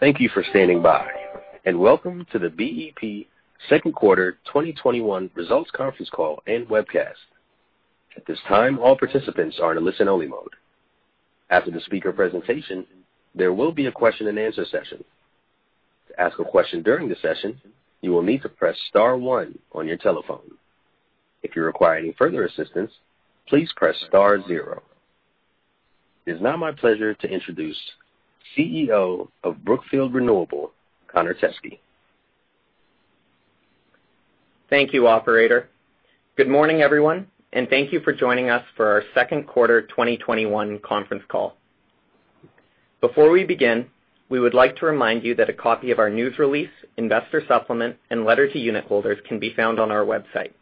Thank you for standing by, and welcome to the Brookfield Renewable Partners second quarter 2021 results conference call and webcast, at this time all participant are in listen only mode. After the speakers presentation there will be a question and answer session, to ask a question during the session, you will need to press star one on your telephone. If you require further assistance please press star zero. It is now my pleasure to introduce Chief Executive Officer of Brookfield Renewable, Connor Teskey. Thank you, Operator. Good morning, everyone, and thank you for joining us for our second quarter 2021 conference call. Before we begin, we would like to remind you that a copy of our news release, investor supplement, and letter to unit holders can be found on our website.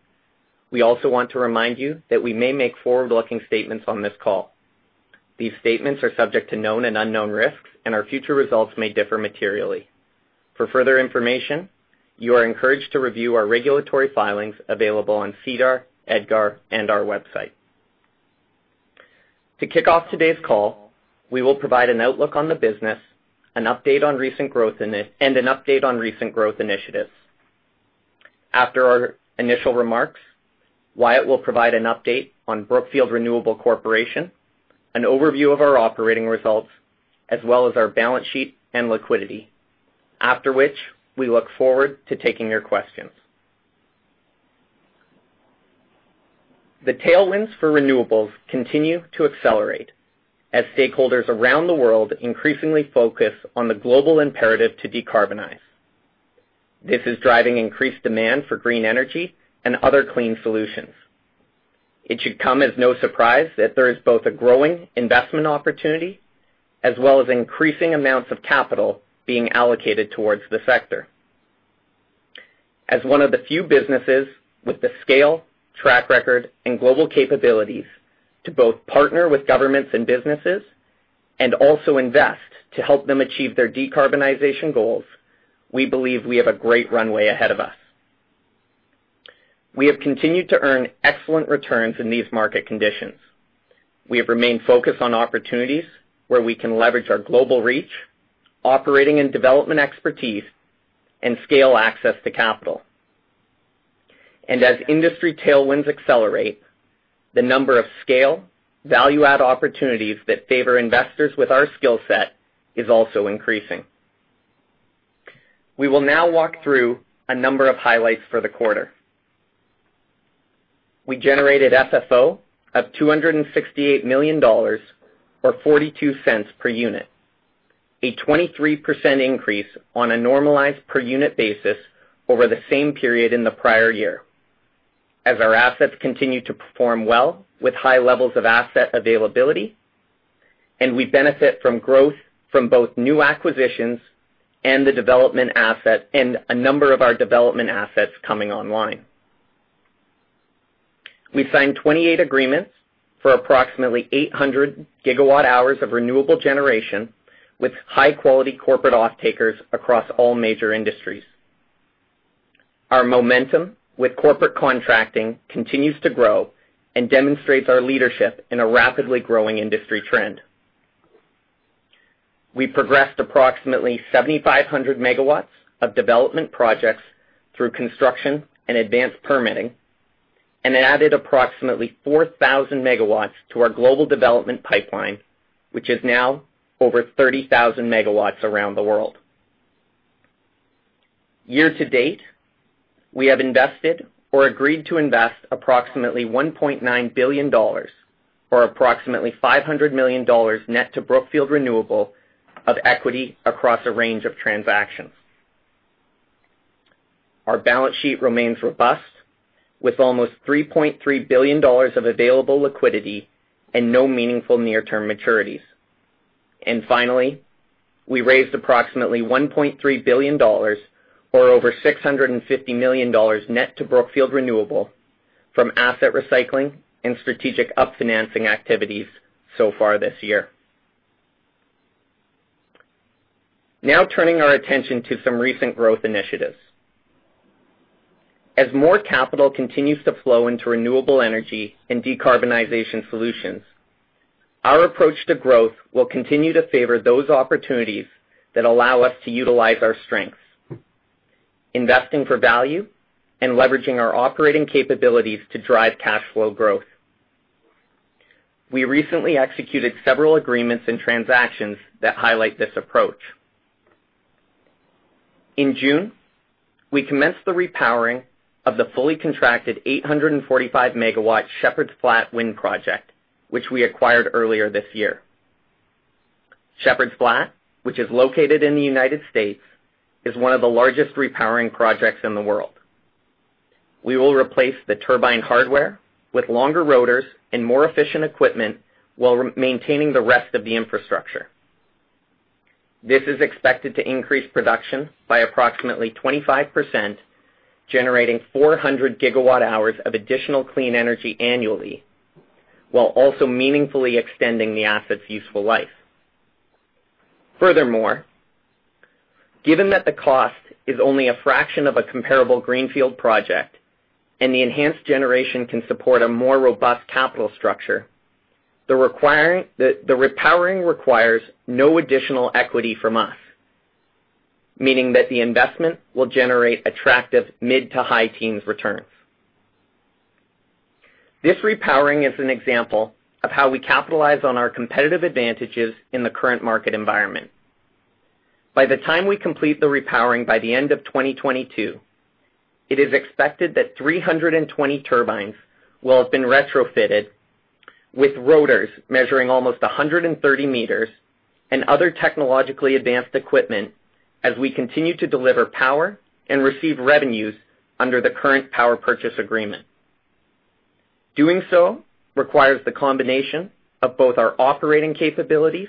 We also want to remind you that we may make forward-looking statements on this call. These statements are subject to known and unknown risks, and our future results may differ materially. For further information, you are encouraged to review our regulatory filings available on SEDAR, EDGAR, and our website. To kick off today's call, we will provide an outlook on the business and an update on recent growth initiatives. After our initial remarks, Wyatt will provide an update on Brookfield Renewable Corporation, an overview of our operating results, as well as our balance sheet and liquidity, after which we look forward to taking your questions. The tailwinds for renewables continue to accelerate as stakeholders around the world increasingly focus on the global imperative to decarbonize. This is driving increased demand for green energy and other clean solutions. It should come as no surprise that there is both a growing investment opportunity, as well as increasing amounts of capital being allocated towards the sector. As one of the few businesses with the scale, track record, and global capabilities to both partner with governments and businesses and also invest to help them achieve their decarbonization goals, we believe we have a great runway ahead of us. We have continued to earn excellent returns in these market conditions. We have remained focused on opportunities where we can leverage our global reach, operating and development expertise, and scale access to capital. As industry tailwinds accelerate, the number of scale value-add opportunities that favor investors with our skill set is also increasing. We will now walk through a number of highlights for the quarter. We generated FFO of $268 million, or $0.42 per unit. A 23% increase on a normalized per-unit basis over the same period in the prior year, as our assets continued to perform well with high levels of asset availability, and we benefit from growth from both new acquisitions and a number of our development assets coming online. We've signed 28 agreements for approximately 800 GWh of renewable generation with high-quality corporate off-takers across all major industries. Our momentum with corporate contracting continues to grow and demonstrates our leadership in a rapidly growing industry trend. We progressed approximately 7,500 MW of development projects through construction and advanced permitting and added approximately 4,000 MW to our global development pipeline, which is now over 30,000 MW around the world. Year to date, we have invested or agreed to invest approximately $1.9 billion, or approximately $500 million net to Brookfield Renewable of equity across a range of transactions. Our balance sheet remains robust, with almost $3.3 billion of available liquidity and no meaningful near-term maturities. Finally, we raised approximately $1.3 billion, or over $650 million net to Brookfield Renewable from asset recycling and strategic up-financing activities so far this year. Turning our attention to some recent growth initiatives. As more capital continues to flow into renewable energy and decarbonization solutions, our approach to growth will continue to favor those opportunities that allow us to utilize our strengths, investing for value and leveraging our operating capabilities to drive cash flow growth. We recently executed several agreements and transactions that highlight this approach. In June, we commenced the repowering of the fully contracted 845 MW Shepherds Flat wind project, which we acquired earlier this year. Shepherds Flat, which is located in the United States, is one of the largest repowering projects in the world. We will replace the turbine hardware with longer rotors and more efficient equipment while maintaining the rest of the infrastructure. This is expected to increase production by approximately 25%, generating 400 GWh of additional clean energy annually, while also meaningfully extending the asset's useful life. Given that the cost is only a fraction of a comparable greenfield project and the enhanced generation can support a more robust capital structure, the repowering requires no additional equity from us, meaning that the investment will generate attractive mid-to-high teens returns. This repowering is an example of how we capitalize on our competitive advantages in the current market environment. By the time we complete the repowering by the end of 2022, it is expected that 320 turbines will have been retrofitted with rotors measuring almost 130 meters and other technologically advanced equipment as we continue to deliver power and receive revenues under the current Power Purchase Agreement. Doing so requires the combination of both our operating capabilities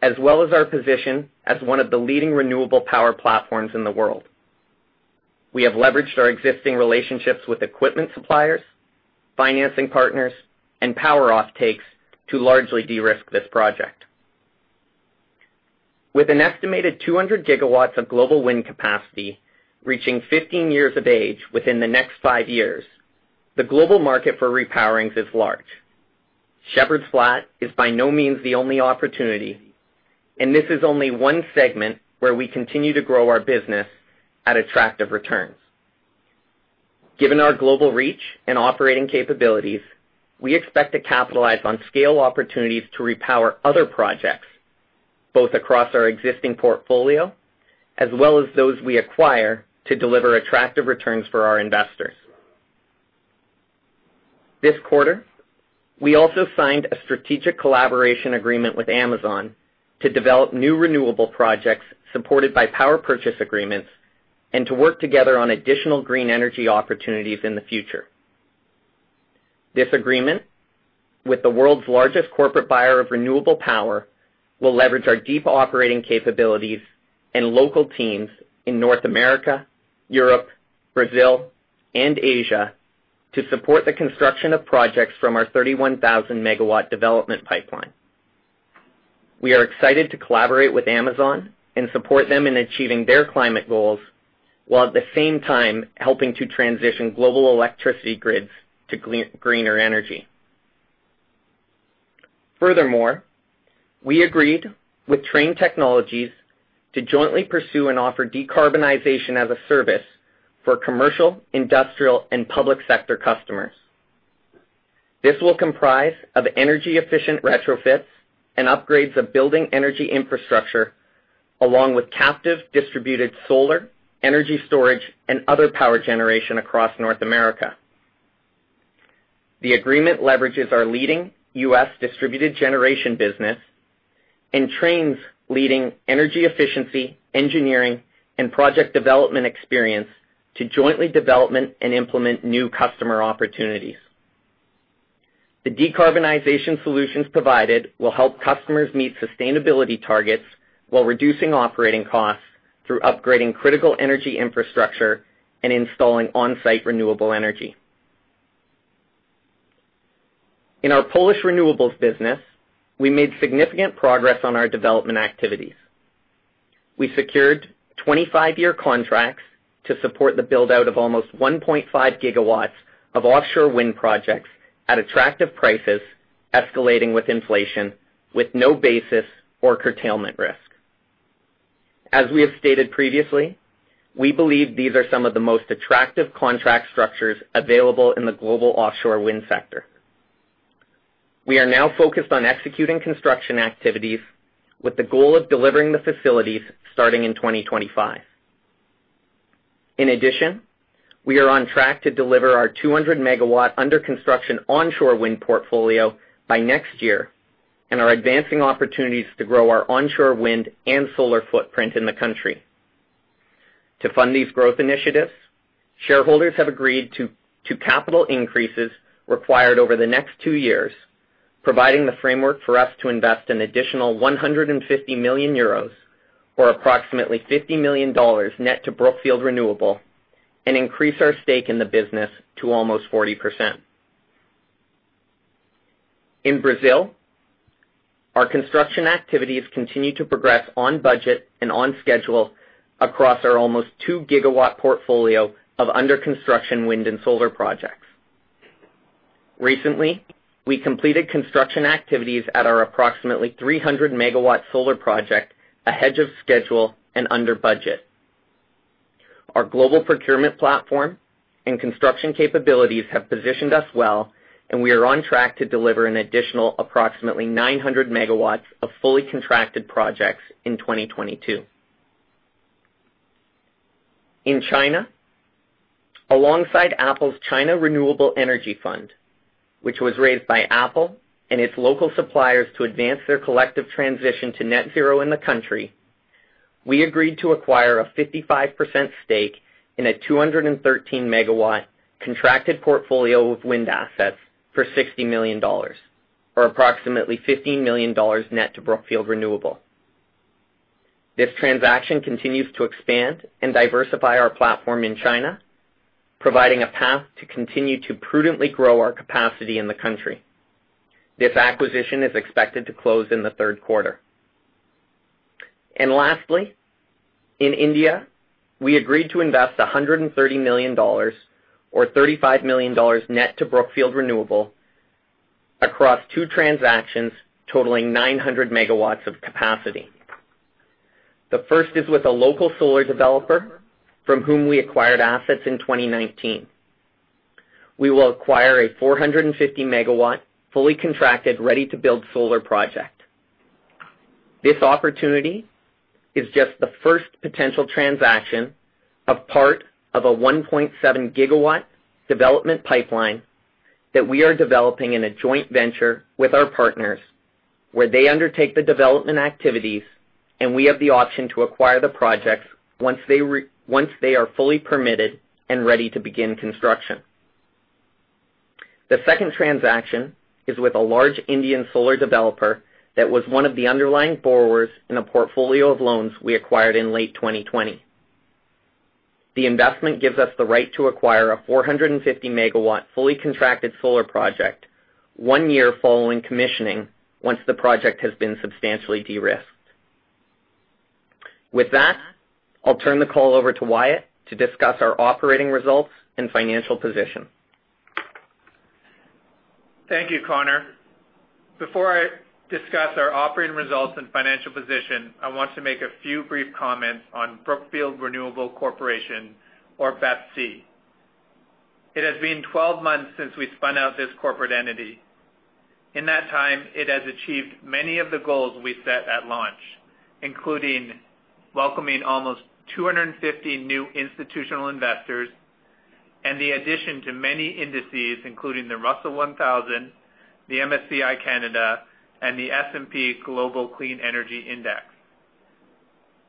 as well as our position as one of the leading renewable power platforms in the world. We have leveraged our existing relationships with equipment suppliers, financing partners, and power offtakes to largely de-risk this project. With an estimated 200 GW of global wind capacity reaching 15 years of age within the next five years, the global market for repowerings is large. Shepherds Flat is by no means the only opportunity, and this is only one segment where we continue to grow our business at attractive returns. Given our global reach and operating capabilities, we expect to capitalize on scale opportunities to repower other projects, both across our existing portfolio as well as those we acquire to deliver attractive returns for our investors. This quarter, we also signed a strategic collaboration agreement with Amazon to develop new renewable projects supported by Power Purchase Agreements and to work together on additional green energy opportunities in the future. This agreement with the world's largest corporate buyer of renewable power will leverage our deep operating capabilities and local teams in North America, Europe, Brazil, and Asia to support the construction of projects from our 31,000 MW development pipeline. We are excited to collaborate with Amazon and support them in achieving their climate goals, while at the same time helping to transition global electricity grids to greener energy. Furthermore, we agreed with Trane Technologies to jointly pursue and offer decarbonization as a service for commercial, industrial, and public sector customers. This will comprise of energy-efficient retrofits and upgrades of building energy infrastructure along with captive distributed solar, energy storage, and other power generation across North America. The agreement leverages our leading U.S. distributed generation business and Trane's leading energy efficiency, engineering, and project development experience to jointly development and implement new customer opportunities. The decarbonization solutions provided will help customers meet sustainability targets while reducing operating costs through upgrading critical energy infrastructure and installing on-site renewable energy. In our Polish renewables business, we made significant progress on our development activities. We secured 25-year contracts to support the build-out of almost 1.5 GW of offshore wind projects at attractive prices, escalating with inflation with no basis or curtailment risk. As we have stated previously, we believe these are some of the most attractive contract structures available in the global offshore wind sector. We are now focused on executing construction activities with the goal of delivering the facilities starting in 2025. In addition, we are on track to deliver our 200 MW under-construction onshore wind portfolio by next year and are advancing opportunities to grow our onshore wind and solar footprint in the country. To fund these growth initiatives, shareholders have agreed to capital increases required over the next two years, providing the framework for us to invest an additional 150 million euros, or approximately $50 million net to Brookfield Renewable, and increase our stake in the business to almost 40%. In Brazil, our construction activities continue to progress on budget and on schedule across our almost 2 GW portfolio of under-construction wind and solar projects. Recently, we completed construction activities at our approximately 300 MW solar project ahead of schedule and under budget. Our global procurement platform and construction capabilities have positioned us well. We are on track to deliver an additional approximately 900 MW of fully contracted projects in 2022. In China, alongside Apple's China Clean Energy Fund, which was raised by Apple and its local suppliers to advance their collective transition to net zero in the country, we agreed to acquire a 55% stake in a 213 MW contracted portfolio of wind assets for $60 million, or approximately $50 million net to Brookfield Renewable Partners. This transaction continues to expand and diversify our platform in China, providing a path to continue to prudently grow our capacity in the country. This acquisition is expected to close in the third quarter. Lastly, in India, we agreed to invest $130 million or $35 million net to Brookfield Renewable Partners across two transactions totaling 900 MW of capacity. The first is with a local solar developer from whom we acquired assets in 2019. We will acquire a 450 MW, fully contracted, ready-to-build solar project. This opportunity is just the first potential transaction of part of a 1.7 GW development pipeline that we are developing in a joint venture with our partners, where they undertake the development activities, and we have the option to acquire the projects once they are fully permitted and ready to begin construction. The second transaction is with a large Indian solar developer that was one of the underlying borrowers in a portfolio of loans we acquired in late 2020. The investment gives us the right to acquire a 450 MW, fully contracted solar project one year following commissioning, once the project has been substantially de-risked. With that, I'll turn the call over to Wyatt to discuss our operating results and financial position. Thank you, Connor. Before I discuss our operating results and financial position, I want to make a few brief comments on Brookfield Renewable Corporation, or BEPC. It has been 12 months since we spun out this corporate entity. In that time, it has achieved many of the goals we set at launch, including welcoming almost 250 new institutional investors and the addition to many indices, including the Russell 1000, the MSCI Canada, and the S&P Global Clean Energy Index.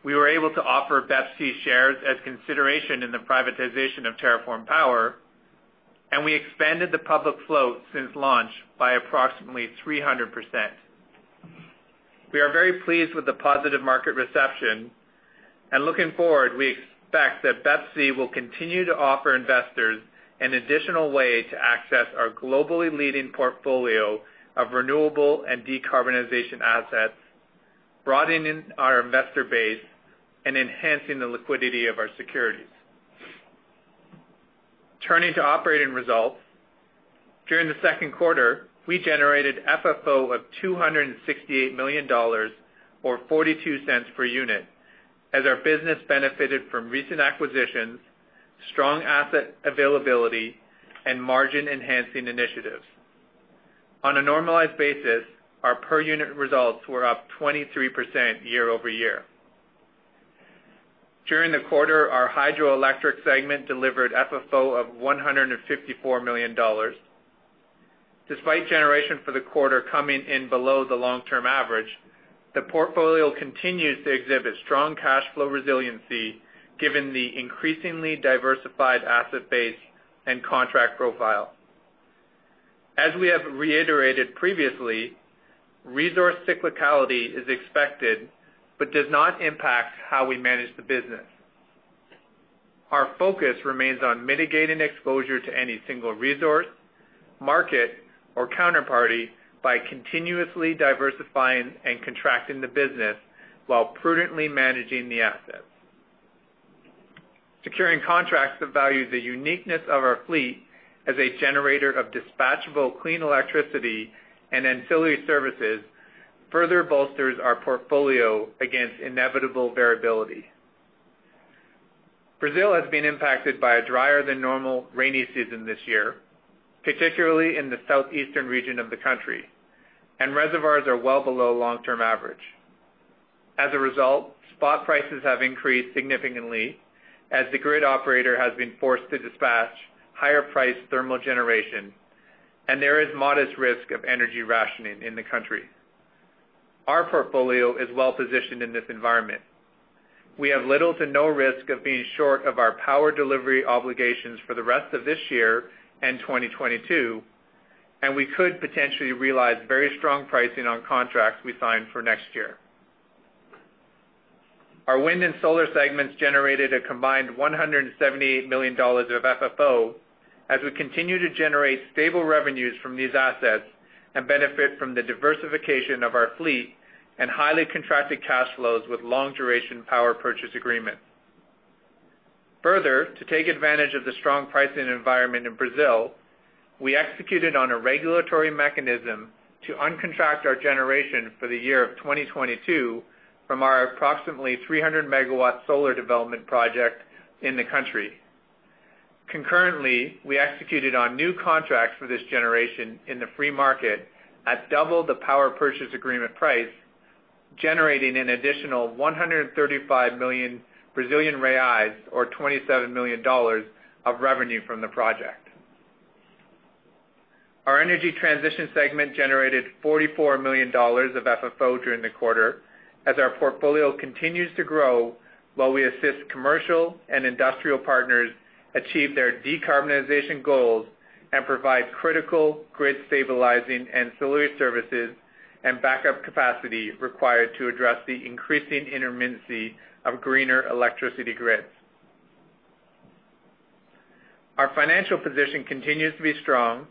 We were able to offer BEPC shares as consideration in the privatization of TerraForm Power, and we expanded the public float since launch by approximately 300%. We are very pleased with the positive market reception. Looking forward, we expect that BEPC will continue to offer investors an additional way to access our globally leading portfolio of renewable and decarbonization assets, broadening our investor base and enhancing the liquidity of our securities. Turning to operating results, during the second quarter, we generated FFO of $268 million, or $0.42 per unit, as our business benefited from recent acquisitions, strong asset availability, and margin-enhancing initiatives. On a normalized basis, our per-unit results were up 23% year-over-year. During the quarter, our Hydroelectric segment delivered FFO of $154 million. Despite generation for the quarter coming in below the Long-Term Average, the portfolio continues to exhibit strong cash flow resiliency, given the increasingly diversified asset base and contract profile. As we have reiterated previously, resource cyclicality is expected but does not impact how we manage the business. Our focus remains on mitigating exposure to any single resource, market, or counterparty by continuously diversifying and contracting the business while prudently managing the assets. Securing contracts that value the uniqueness of our fleet as a generator of dispatchable clean electricity and ancillary services further bolsters our portfolio against inevitable variability. Brazil has been impacted by a drier than normal rainy season this year, particularly in the southeastern region of the country, and reservoirs are well below Long-Term Average. As a result, spot prices have increased significantly as the grid operator has been forced to dispatch higher priced thermal generation, and there is modest risk of energy rationing in the country. Our portfolio is well positioned in this environment. We have little to no risk of being short of our power delivery obligations for the rest of this year and 2022, and we could potentially realize very strong pricing on contracts we signed for next year. Our wind and solar segments generated a combined $178 million of FFO as we continue to generate stable revenues from these assets and benefit from the diversification of our fleet and highly contracted cash flows with long-duration Power Purchase Agreements. Further, to take advantage of the strong pricing environment in Brazil, we executed on a regulatory mechanism to uncontract our generation for the year of 2022 from our approximately 300 MW solar development project in the country. Concurrently, we executed on new contracts for this generation in the free market at double the Power Purchase Agreement price, generating an additional 135 million Brazilian reais or $27 million of revenue from the project. Our energy transition segment generated $44 million of FFO during the quarter as our portfolio continues to grow while we assist commercial and industrial partners achieve their decarbonization goals and provide critical grid stabilizing ancillary services and backup capacity required to address the increasing intermittency of greener electricity grids. Our financial position continues to be strong.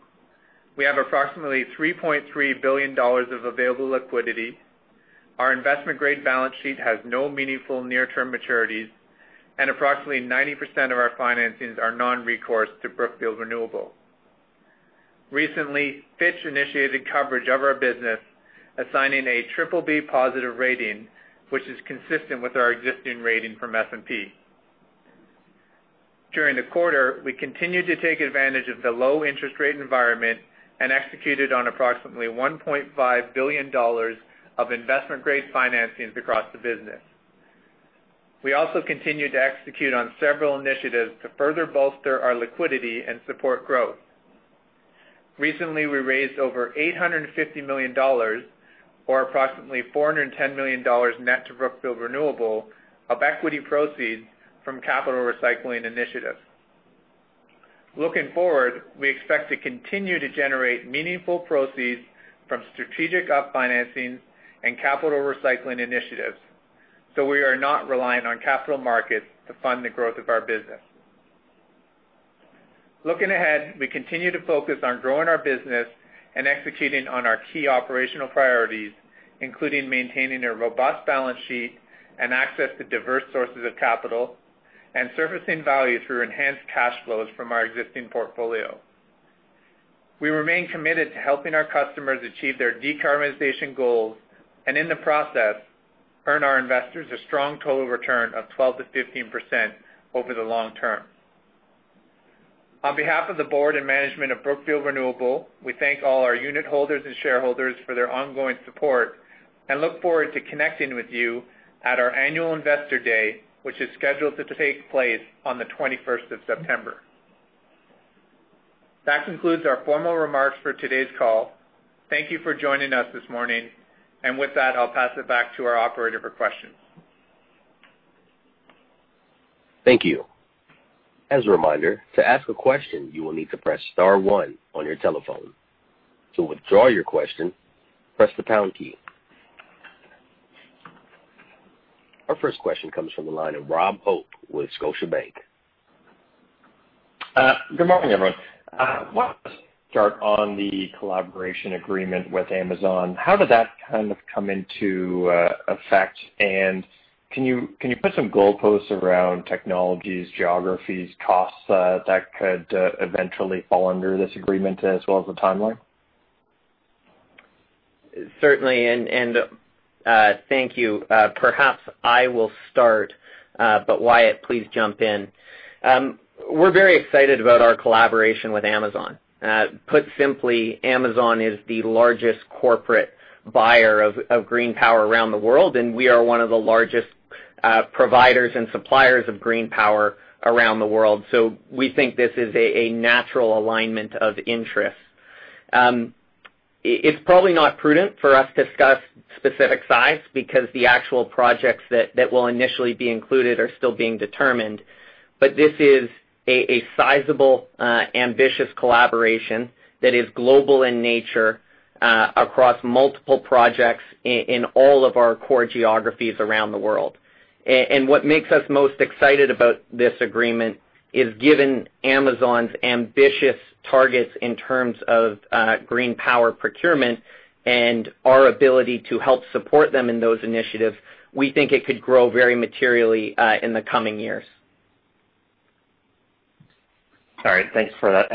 We have approximately $3.3 billion of available liquidity. Our investment-grade balance sheet has no meaningful near-term maturities, and approximately 90% of our financings are non-recourse to Brookfield Renewable. Recently, Fitch initiated coverage of our business, assigning a BBB+ rating, which is consistent with our existing rating from S&P. During the quarter, we continued to take advantage of the low interest rate environment and executed on approximately $1.5 billion of investment-grade financings across the business. We also continued to execute on several initiatives to further bolster our liquidity and support growth. Recently, we raised over $850 million, or approximately $410 million net to Brookfield Renewable, of equity proceeds from capital recycling initiatives. Looking forward, we expect to continue to generate meaningful proceeds from strategic upfinancings and capital recycling initiatives. We are not reliant on capital markets to fund the growth of our business. Looking ahead, we continue to focus on growing our business and executing on our key operational priorities, including maintaining a robust balance sheet and access to diverse sources of capital, and surfacing value through enhanced cash flows from our existing portfolio. We remain committed to helping our customers achieve their decarbonization goals, and in the process, earn our investors a strong total return of 12%-15% over the long term. On behalf of the board and management of Brookfield Renewable, we thank all our unit holders and shareholders for their ongoing support and look forward to connecting with you at our annual Investor Day, which is scheduled to take place on the 21st of September. That concludes our formal remarks for today's call. Thank you for joining us this morning. With that, I'll pass it back to our Operator for questions. Thank you. As a reminder, to ask a question, you will need to press star one on your telephone. To withdraw your question, press the pound key. Our first question comes from the line of Rob Hope with Scotiabank. Good morning, everyone. Why don't we start on the collaboration agreement with Amazon. How did that come into effect? Can you put some goalposts around technologies, geographies, costs that could eventually fall under this agreement as well as the timeline? Certainly, and thank you. Perhaps I will start, but Wyatt, please jump in. We're very excited about our collaboration with Amazon. Put simply, Amazon is the largest corporate buyer of green power around the world, and we are one of the largest providers and suppliers of green power around the world. We think this is a natural alignment of interests. It's probably not prudent for us to discuss specific size because the actual projects that will initially be included are still being determined. But this is a sizable, ambitious collaboration that is global in nature, across multiple projects in all of our core geographies around the world. What makes us most excited about this agreement is given Amazon's ambitious targets in terms of green power procurement and our ability to help support them in those initiatives, we think it could grow very materially in the coming years. All right. Thanks for that.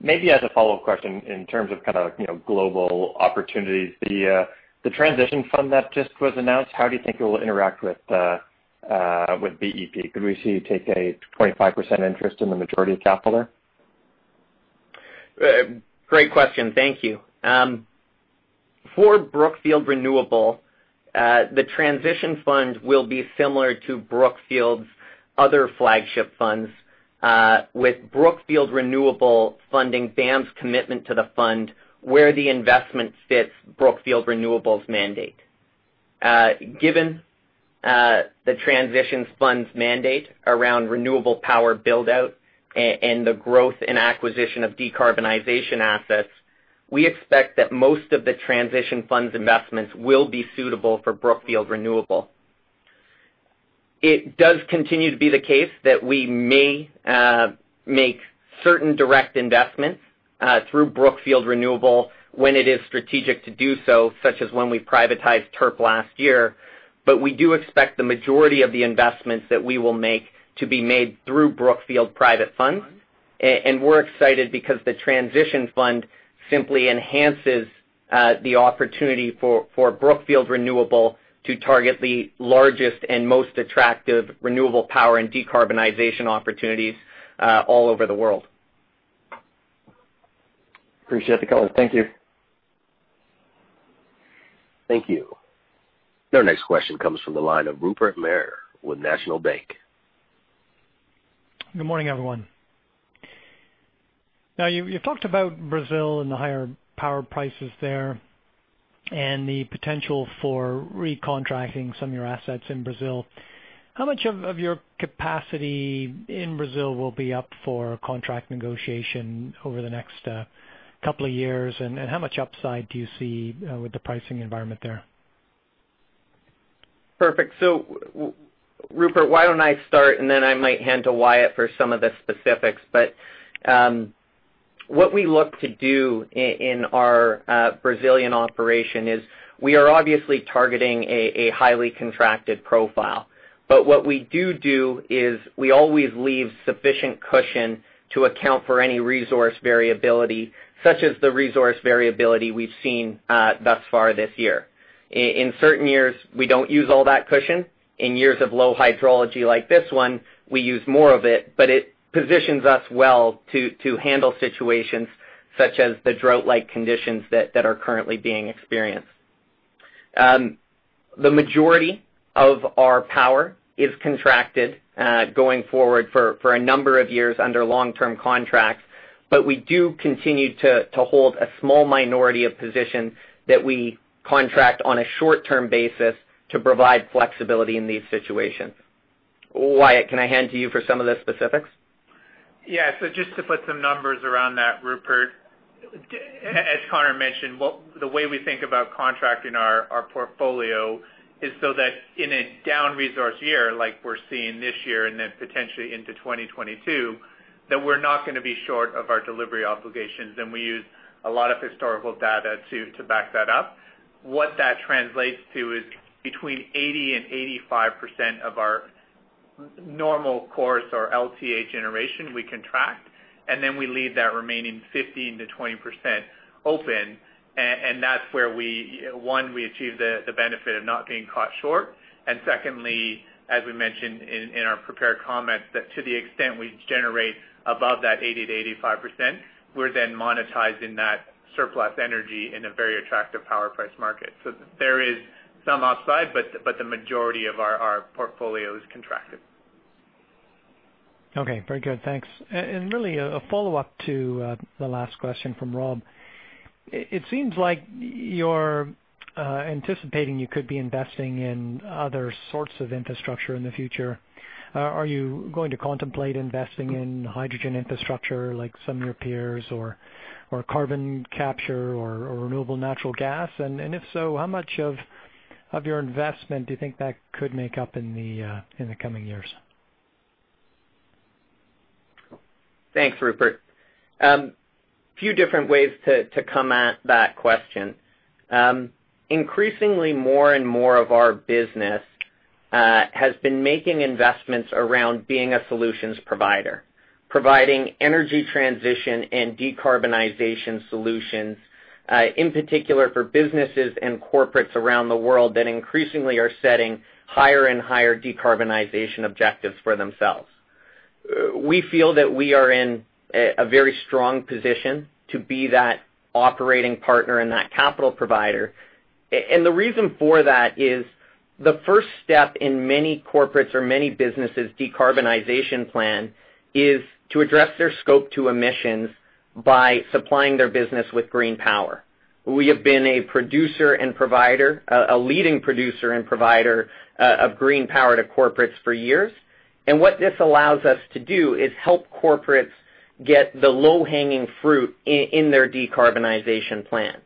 Maybe as a follow-up question, in terms of global opportunities, the Transition Fund that just was announced, how do you think it will interact with BEP? Could we see you take a 25% interest in the majority of capital there? Great question. Thank you. For Brookfield Renewable, the Transition Fund will be similar to Brookfield's other flagship funds, with Brookfield Renewable funding BAM's commitment to the fund where the investment fits Brookfield Renewable's mandate. Given the Transition Fund's mandate around renewable power build-out and the growth and acquisition of decarbonization assets, we expect that most of the Transition Fund's investments will be suitable for Brookfield Renewable. It does continue to be the case that we may make certain direct investments through Brookfield Renewable when it is strategic to do so, such as when we privatized TERP last year. We do expect the majority of the investments that we will make to be made through Brookfield private funds. We're excited because the Transition Fund simply enhances the opportunity for Brookfield Renewable to target the largest and most attractive renewable power and decarbonization opportunities all over the world. Appreciate the color. Thank you. Thank you. Our next question comes from the line of Rupert Merer with National Bank. Good morning, everyone. You talked about Brazil and the higher power prices there and the potential for recontracting some of your assets in Brazil. How much of your capacity in Brazil will be up for contract negotiation over the next two years? How much upside do you see with the pricing environment there? Perfect. Rupert, why don't I start, and then I might hand to Wyatt for some of the specifics. What we look to do in our Brazilian operation is we are obviously targeting a highly contracted profile. What we do is we always leave sufficient cushion to account for any resource variability, such as the resource variability we've seen thus far this year. In certain years, we don't use all that cushion. In years of low hydrology like this one, we use more of it, but it positions us well to handle situations such as the drought-like conditions that are currently being experienced. The majority of our power is contracted going forward for a number of years under long-term contracts, we do continue to hold a small minority of positions that we contract on a short-term basis to provide flexibility in these situations. Wyatt, can I hand to you for some of the specifics? Just to put some numbers around that, Rupert. As Connor mentioned, the way we think about contracting our portfolio is so that in a down resource year like we're seeing this year and then potentially into 2022, that we're not going to be short of our delivery obligations. We use a lot of historical data to back that up. What that translates to is between 80% and 85% of our normal course or LTA generation we contract. Then we leave that remaining 15%-20% open, and that's where, one, we achieve the benefit of not being caught short. Secondly, as we mentioned in our prepared comments, that to the extent we generate above that 80%-85%, we're then monetizing that surplus energy in a very attractive power price market. There is some upside, but the majority of our portfolio is contracted. Okay. Very good. Thanks. Really a follow-up to the last question from Rob. It seems like you're anticipating you could be investing in other sorts of infrastructure in the future. Are you going to contemplate investing in hydrogen infrastructure like some of your peers or carbon capture or renewable natural gas? If so, how much of your investment do you think that could make up in the coming years? Thanks, Rupert. Few different ways to come at that question. Increasingly, more and more of our business has been making investments around being a solutions provider. Providing energy transition and decarbonization solutions, in particular for businesses and corporates around the world that increasingly are setting higher and higher decarbonization objectives for themselves. We feel that we are in a very strong position to be that operating partner and that capital provider. The reason for that is the first step in many corporates' or many businesses' decarbonization plan is to address their Scope 2 emissions by supplying their business with green power. We have been a leading producer and provider of green power to corporates for years, and what this allows us to do is help corporates get the low-hanging fruit in their decarbonization plan.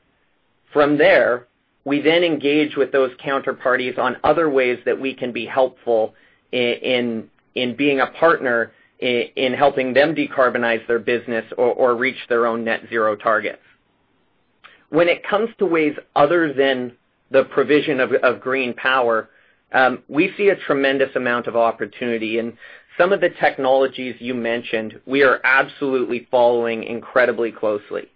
We then engage with those counterparties on other ways that we can be helpful in being a partner in helping them decarbonize their business or reach their own Net-Zero targets. When it comes to ways other than the provision of green power, we see a tremendous amount of opportunity. Some of the technologies you mentioned, we are absolutely following incredibly closely.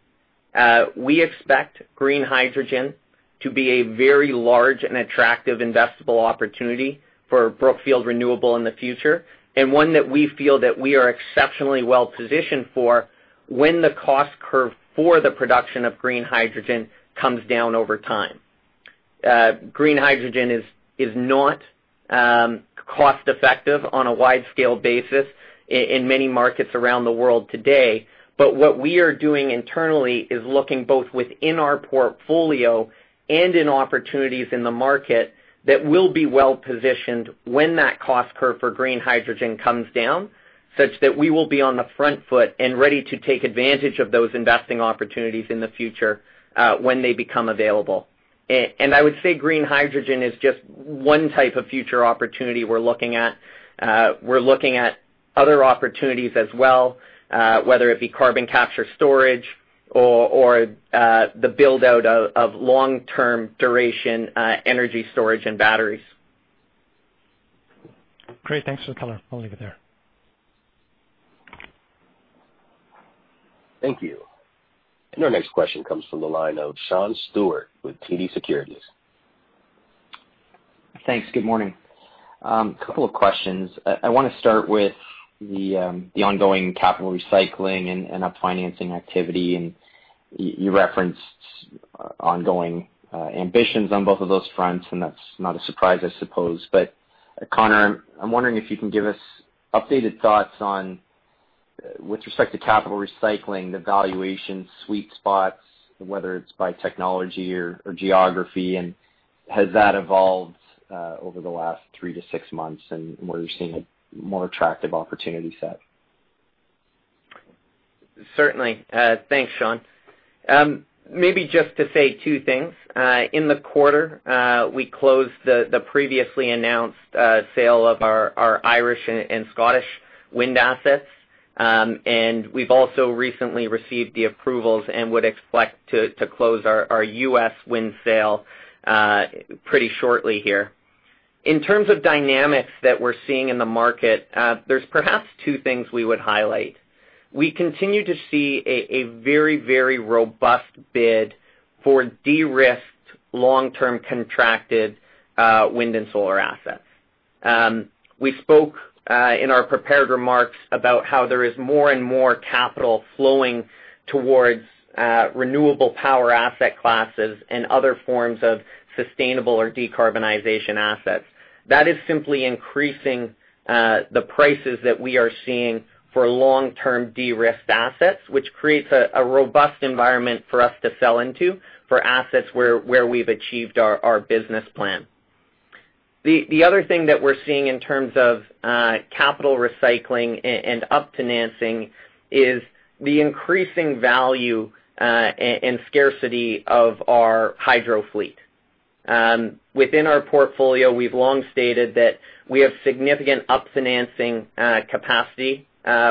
We expect green hydrogen to be a very large and attractive investable opportunity for Brookfield Renewable in the future, and one that we feel that we are exceptionally well-positioned for when the cost curve for the production of green hydrogen comes down over time. Green hydrogen is not cost-effective on a wide-scale basis in many markets around the world today. What we are doing internally is looking both within our portfolio and in opportunities in the market that will be well-positioned when that cost curve for green hydrogen comes down, such that we will be on the front foot and ready to take advantage of those investing opportunities in the future when they become available. I would say green hydrogen is just one type of future opportunity we're looking at. We're looking at other opportunities as well, whether it be carbon capture storage or the build-out of long-term duration energy storage and batteries. Great. Thanks for the color. I'll leave it there. Thank you. Our next question comes from the line of Sean Steuart with TD Securities. Thanks. Good morning. Couple of questions. I want to start with the ongoing capital recycling and up-financing activity, and you referenced ongoing ambitions on both of those fronts, and that's not a surprise, I suppose. Connor, I'm wondering if you can give us updated thoughts on, with respect to capital recycling, the valuation sweet spots, whether it's by technology or geography, and has that evolved over the last three to six months and where you're seeing a more attractive opportunity set? Certainly. Thanks, Sean. Just to say two things. In the quarter, we closed the previously announced sale of our Irish and Scottish wind assets. We've also recently received the approvals and would expect to close our U.S. wind sale pretty shortly here. In terms of dynamics that we're seeing in the market, there's perhaps two things we would highlight. We continue to see a very robust bid for derisked long-term contracted wind and solar assets. We spoke in our prepared remarks about how there is more and more capital flowing towards renewable power asset classes and other forms of sustainable or decarbonization assets. That is simply increasing the prices that we are seeing for long-term de-risked assets, which creates a robust environment for us to sell into for assets where we've achieved our business plan. The other thing that we're seeing in terms of capital recycling and up-financing is the increasing value and scarcity of our hydro fleet. Within our portfolio, we've long stated that we have significant up-financing capacity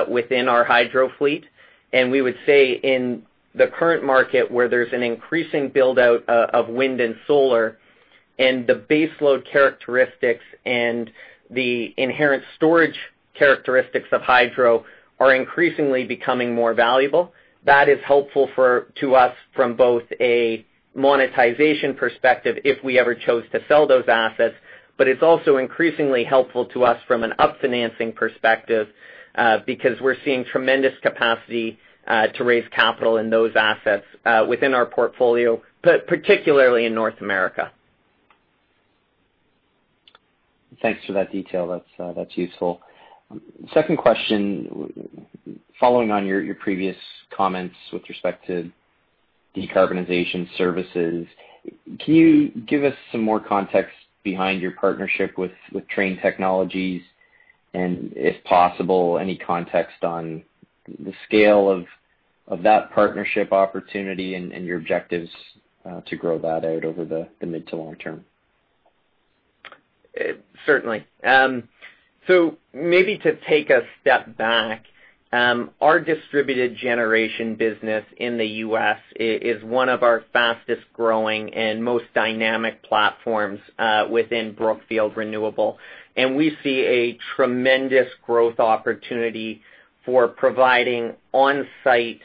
within our hydro fleet. We would say in the current market, where there's an increasing build-out of wind and solar, and the base load characteristics and the inherent storage characteristics of hydro are increasingly becoming more valuable. That is helpful to us from both a monetization perspective, if we ever chose to sell those assets, but it's also increasingly helpful to us from an up-financing perspective, because we're seeing tremendous capacity to raise capital in those assets within our portfolio, particularly in North America. Thanks for that detail. That's useful, second question following on your previous comments with respect to decarbonization services. Can you give us some more context behind your partnership with Trane Technologies? If possible, any context on the scale of that partnership opportunity and your objectives to grow that out over the mid to long term? Certainly. Maybe to take a step back. Our distributed generation business in the U.S. is one of our fastest-growing and most dynamic platforms within Brookfield Renewable. We see a tremendous growth opportunity for providing on-site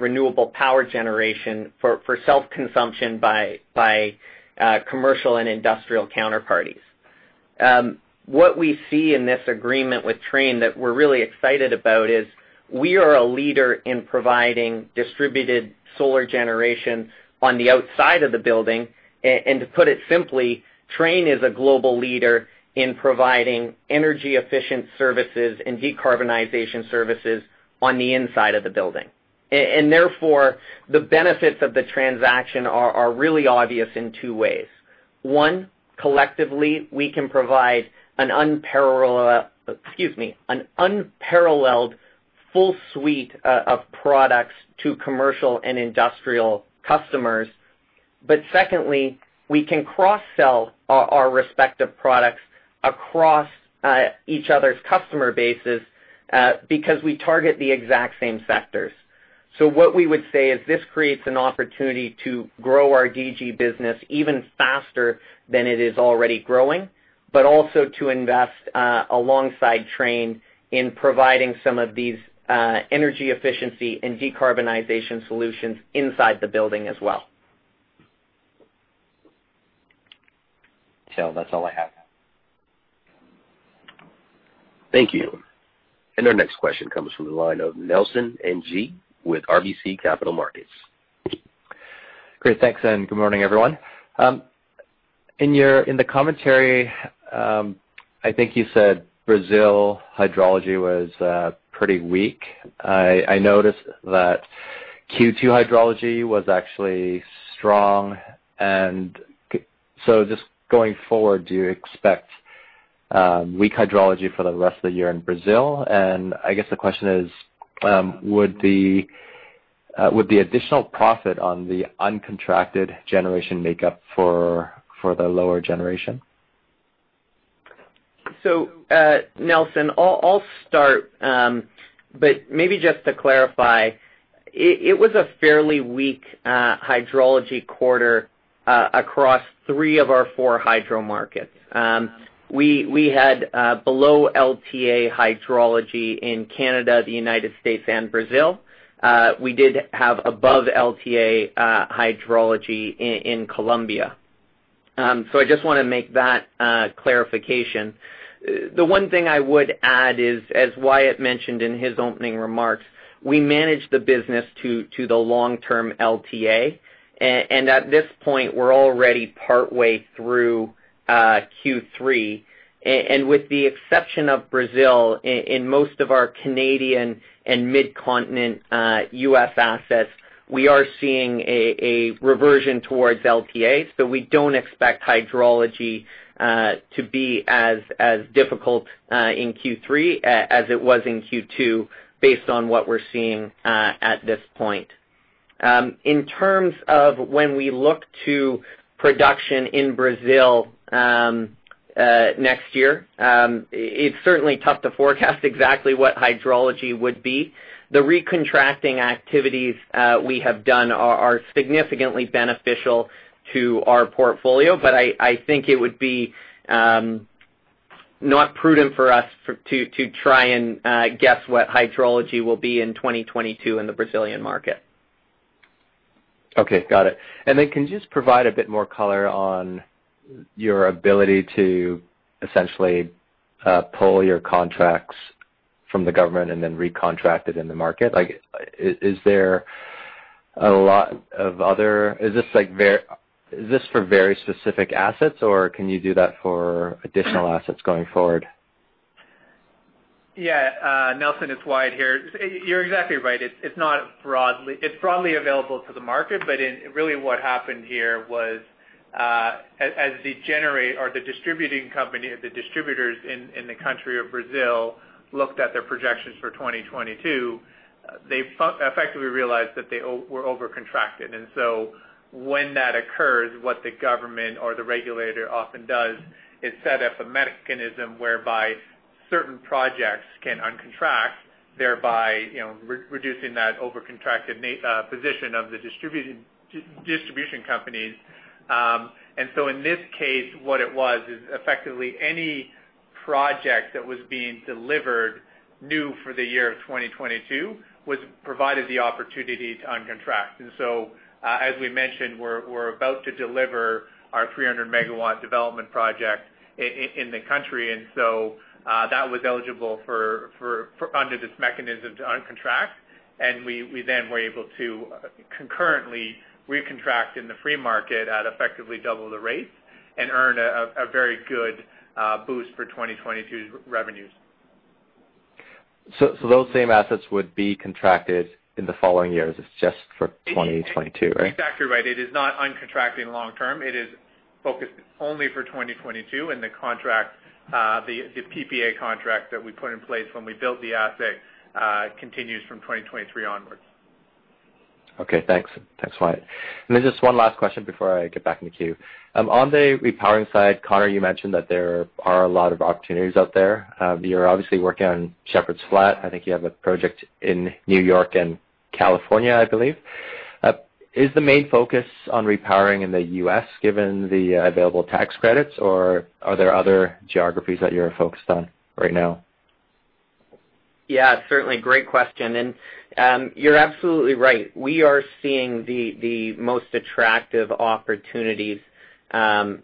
renewable power generation for self-consumption by commercial and industrial counterparties. What we see in this agreement with Trane that we're really excited about is we are a leader in providing distributed solar generation on the outside of the building. To put it simply, Trane is a global leader in providing energy-efficient services and decarbonization services on the inside of the building. Therefore, the benefits of the transaction are really obvious in two ways. One, collectively, we can provide an unparalleled full suite of products to commercial and industrial customers. Secondly, we can cross-sell our respective products across each other's customer bases because we target the exact same sectors. What we would say is this creates an opportunity to grow our DG business even faster than it is already growing, but also to invest alongside Trane in providing some of these energy efficiency and decarbonization solutions inside the building as well. That's all I have. Thank you. Our next question comes from the line of Nelson Ng with RBC Capital Markets. Great. Thanks, and good morning, everyone. In the commentary, I think you said Brazil hydrology was pretty weak. I noticed that Q2 hydrology was actually strong just going forward, do you expect weak hydrology for the rest of the year in Brazil? I guess the question is, would the additional profit on the uncontracted generation make up for the lower generation? Nelson, I'll start, but maybe just to clarify, it was a fairly weak hydrology quarter across three of our four hydro markets. We had below LTA hydrology in Canada, the U.S., and Brazil. We did have above LTA hydrology in Colombia. I just want to make that clarification. The one thing I would add is, as Wyatt mentioned in his opening remarks, we manage the business to the long-term LTA. At this point, we're already partway through Q3. With the exception of Brazil, in most of our Canadian and mid-continent U.S. assets, we are seeing a reversion towards LTA. We don't expect hydrology to be as difficult in Q3 as it was in Q2 based on what we're seeing at this point. In terms of when we look to production in Brazil next year, it's certainly tough to forecast exactly what hydrology would be. The recontracting activities we have done are significantly beneficial to our portfolio, but I think it would be not prudent for us to try and guess what hydrology will be in 2022 in the Brazilian market. Okay. Got it. Can you just provide a bit more color on your ability to essentially pull your contracts from the government and then recontract it in the market? Is this for very specific assets, or can you do that for additional assets going forward? Nelson, it's Wyatt here. You're exactly right. Really what happened here was as the distributors in the country of Brazil looked at their projections for 2022, they effectively realized that they were over-contracted. When that occurs, what the government or the regulator often does is set up a mechanism whereby certain projects can uncontract, thereby reducing that over-contracted position of the distribution companies. In this case, what it was is effectively any project that was being delivered new for the year of 2022 was provided the opportunity to uncontract. As we mentioned, we're about to deliver our 300 MW development project in the country. That was eligible under this mechanism to uncontract, and we then were able to concurrently recontract in the free market at effectively double the rate and earn a very good boost for 2022's revenues. Those same assets would be contracted in the following years. It's just for 2022, right? Exactly right. It is not uncontracting long term. It is focused only for 2022. The PPA contract that we put in place when we built the asset continues from 2023 onwards. Okay. Thanks, Wyatt. Then just one last question before I get back in the queue. On the repowering side, Connor, you mentioned that there are a lot of opportunities out there. You're obviously working on Shepherds Flat. I think you have a project in New York and California, I believe. Is the main focus on repowering in the U.S. given the available tax credits, or are there other geographies that you're focused on right now? Yeah. Certainly. Great question. You're absolutely right. We are seeing the most attractive opportunities right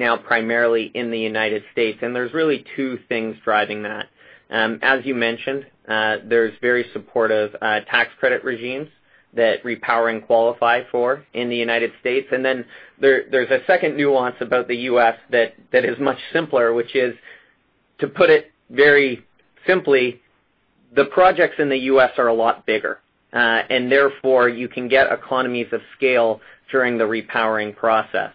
now primarily in the United States. There's really two things driving that. As you mentioned, there's very supportive tax credit regimes that repowering qualify for in the United States. Then there's a second nuance about the U.S. that is much simpler, which is, to put it very simply, the projects in the U.S. are a lot bigger. Therefore, you can get economies of scale during the repowering process.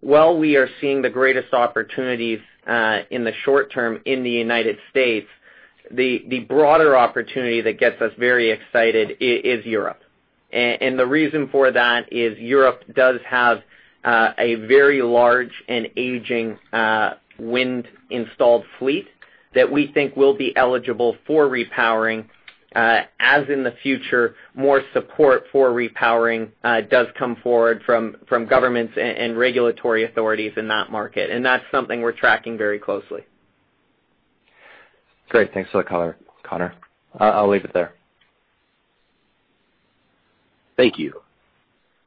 While we are seeing the greatest opportunities in the short term in the United States, the broader opportunity that gets us very excited is Europe. The reason for that is Europe does have a very large and aging wind-installed fleet that we think will be eligible for repowering as in the future, more support for repowering does come forward from governments and regulatory authorities in that market. That's something we're tracking very closely. Great. Thanks for the color, Connor. I'll leave it there. Thank you.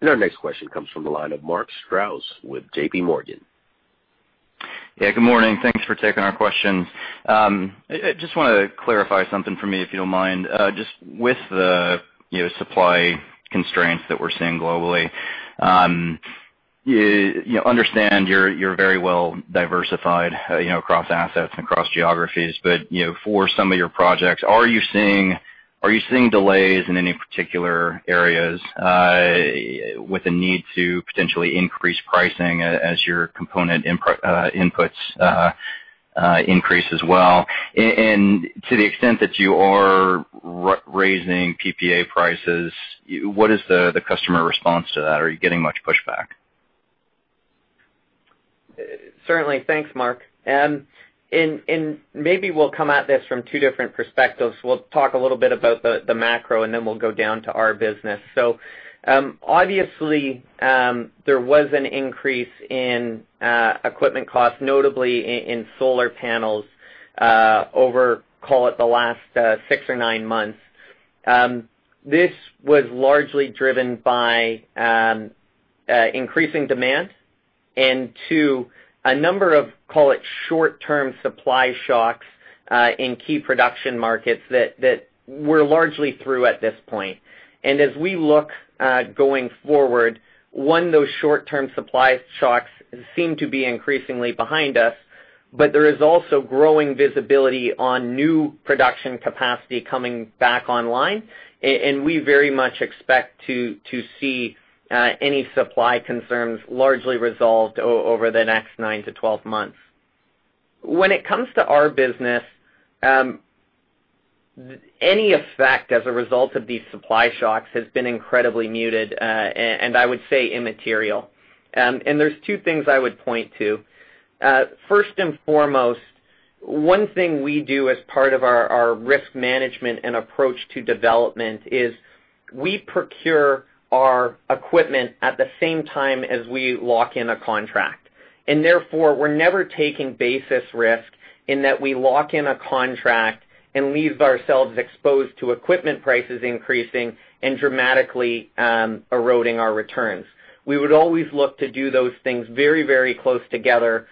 Our next question comes from the line of Mark Strouse with JPMorgan. Yeah, good morning. Thanks for taking our questions. I just want to clarify something for me, if you don't mind. Just with the supply constraints that we're seeing globally, understand you're very well diversified across assets and across geographies. For some of your projects, are you seeing delays in any particular areas with a need to potentially increase pricing as your component inputs increase as well? To the extent that you are raising PPA prices, what is the customer response to that? Are you getting much pushback? Certainly. Thanks, Mark. Maybe we'll come at this from two different perspectives. We'll talk a little bit about the macro, and then we'll go down to our business. Obviously, there was an increase in equipment costs, notably in solar panels, over, call it, the last six or nine months. This was largely driven by increasing demand and to a number of, call it, short-term supply shocks in key production markets that we're largely through at this point. As we look at going forward, one, those short-term supply shocks seem to be increasingly behind us, but there is also growing visibility on new production capacity coming back online. We very much expect to see any supply concerns largely resolved over the next 9 to 12 months. When it comes to our business, any effect as a result of these supply shocks has been incredibly muted, and I would say immaterial. There's two things I would point to. First and foremost, one thing we do as part of our risk management and approach to development is we procure our equipment at the same time as we lock in a contract. Therefore, we're never taking basis risk in that we lock in a contract and leave ourselves exposed to equipment prices increasing and dramatically eroding our returns. We would always look to do those things very close together,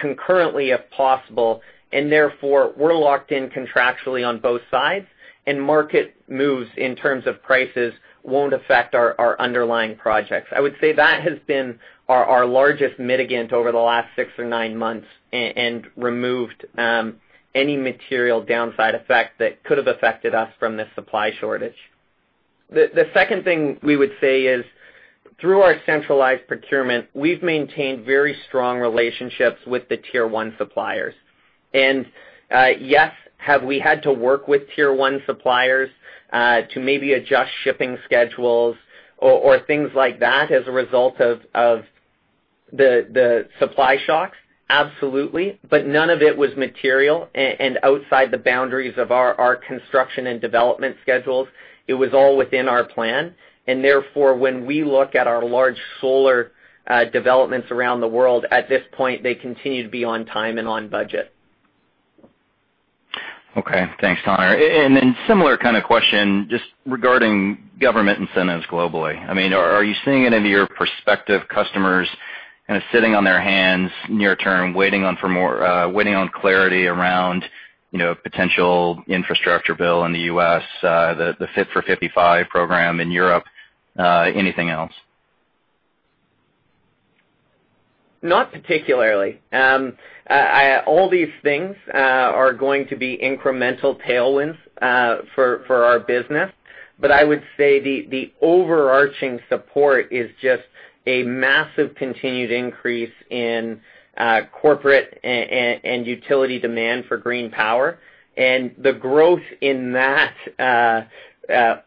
concurrently if possible, and therefore, we're locked in contractually on both sides, and market moves in terms of prices won't affect our underlying projects. I would say that has been our largest mitigant over the last six or nine months and removed any material downside effect that could have affected us from this supply shortage. The second thing we would say is, through our centralized procurement, we've maintained very strong relationships with the Tier 1 suppliers. Yes, have we had to work with Tier 1 suppliers to maybe adjust shipping schedules or things like that as a result of the supply shocks? Absolutely. None of it was material and outside the boundaries of our construction and development schedules. It was all within our plan. Therefore, when we look at our large solar developments around the world, at this point, they continue to be on time and on budget. Okay. Thanks, Connor. Similar kind of question, just regarding government incentives globally. Are you seeing any of your prospective customers kind of sitting on their hands near term, waiting on clarity around potential infrastructure bill in the U.S., the Fit for 55 program in Europe, anything else? Not particularly. All these things are going to be incremental tailwinds for our business. I would say the overarching support is just a massive continued increase in corporate and utility demand for green power. The growth in that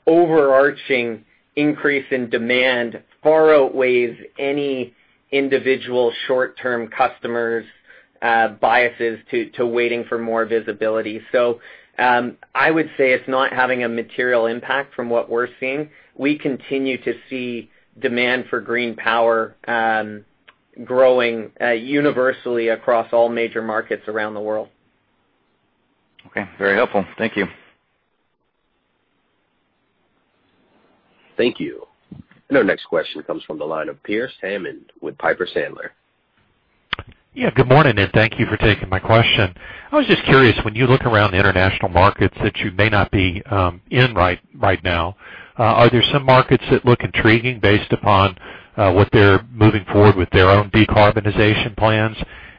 overarching increase in demand far outweighs any individual short-term customers' biases to waiting for more visibility. I would say it's not having a material impact from what we're seeing. We continue to see demand for green power growing universally across all major markets around the world. Okay. Very helpful. Thank you. Thank you. Our next question comes from the line of Pearce Hammond with Piper Sandler. Yeah, good morning. Thank you for taking my question. I was just curious, when you look around the international markets that you may not be in right now, are there some markets that look intriguing based upon what they're moving forward with their own decarbonization plans?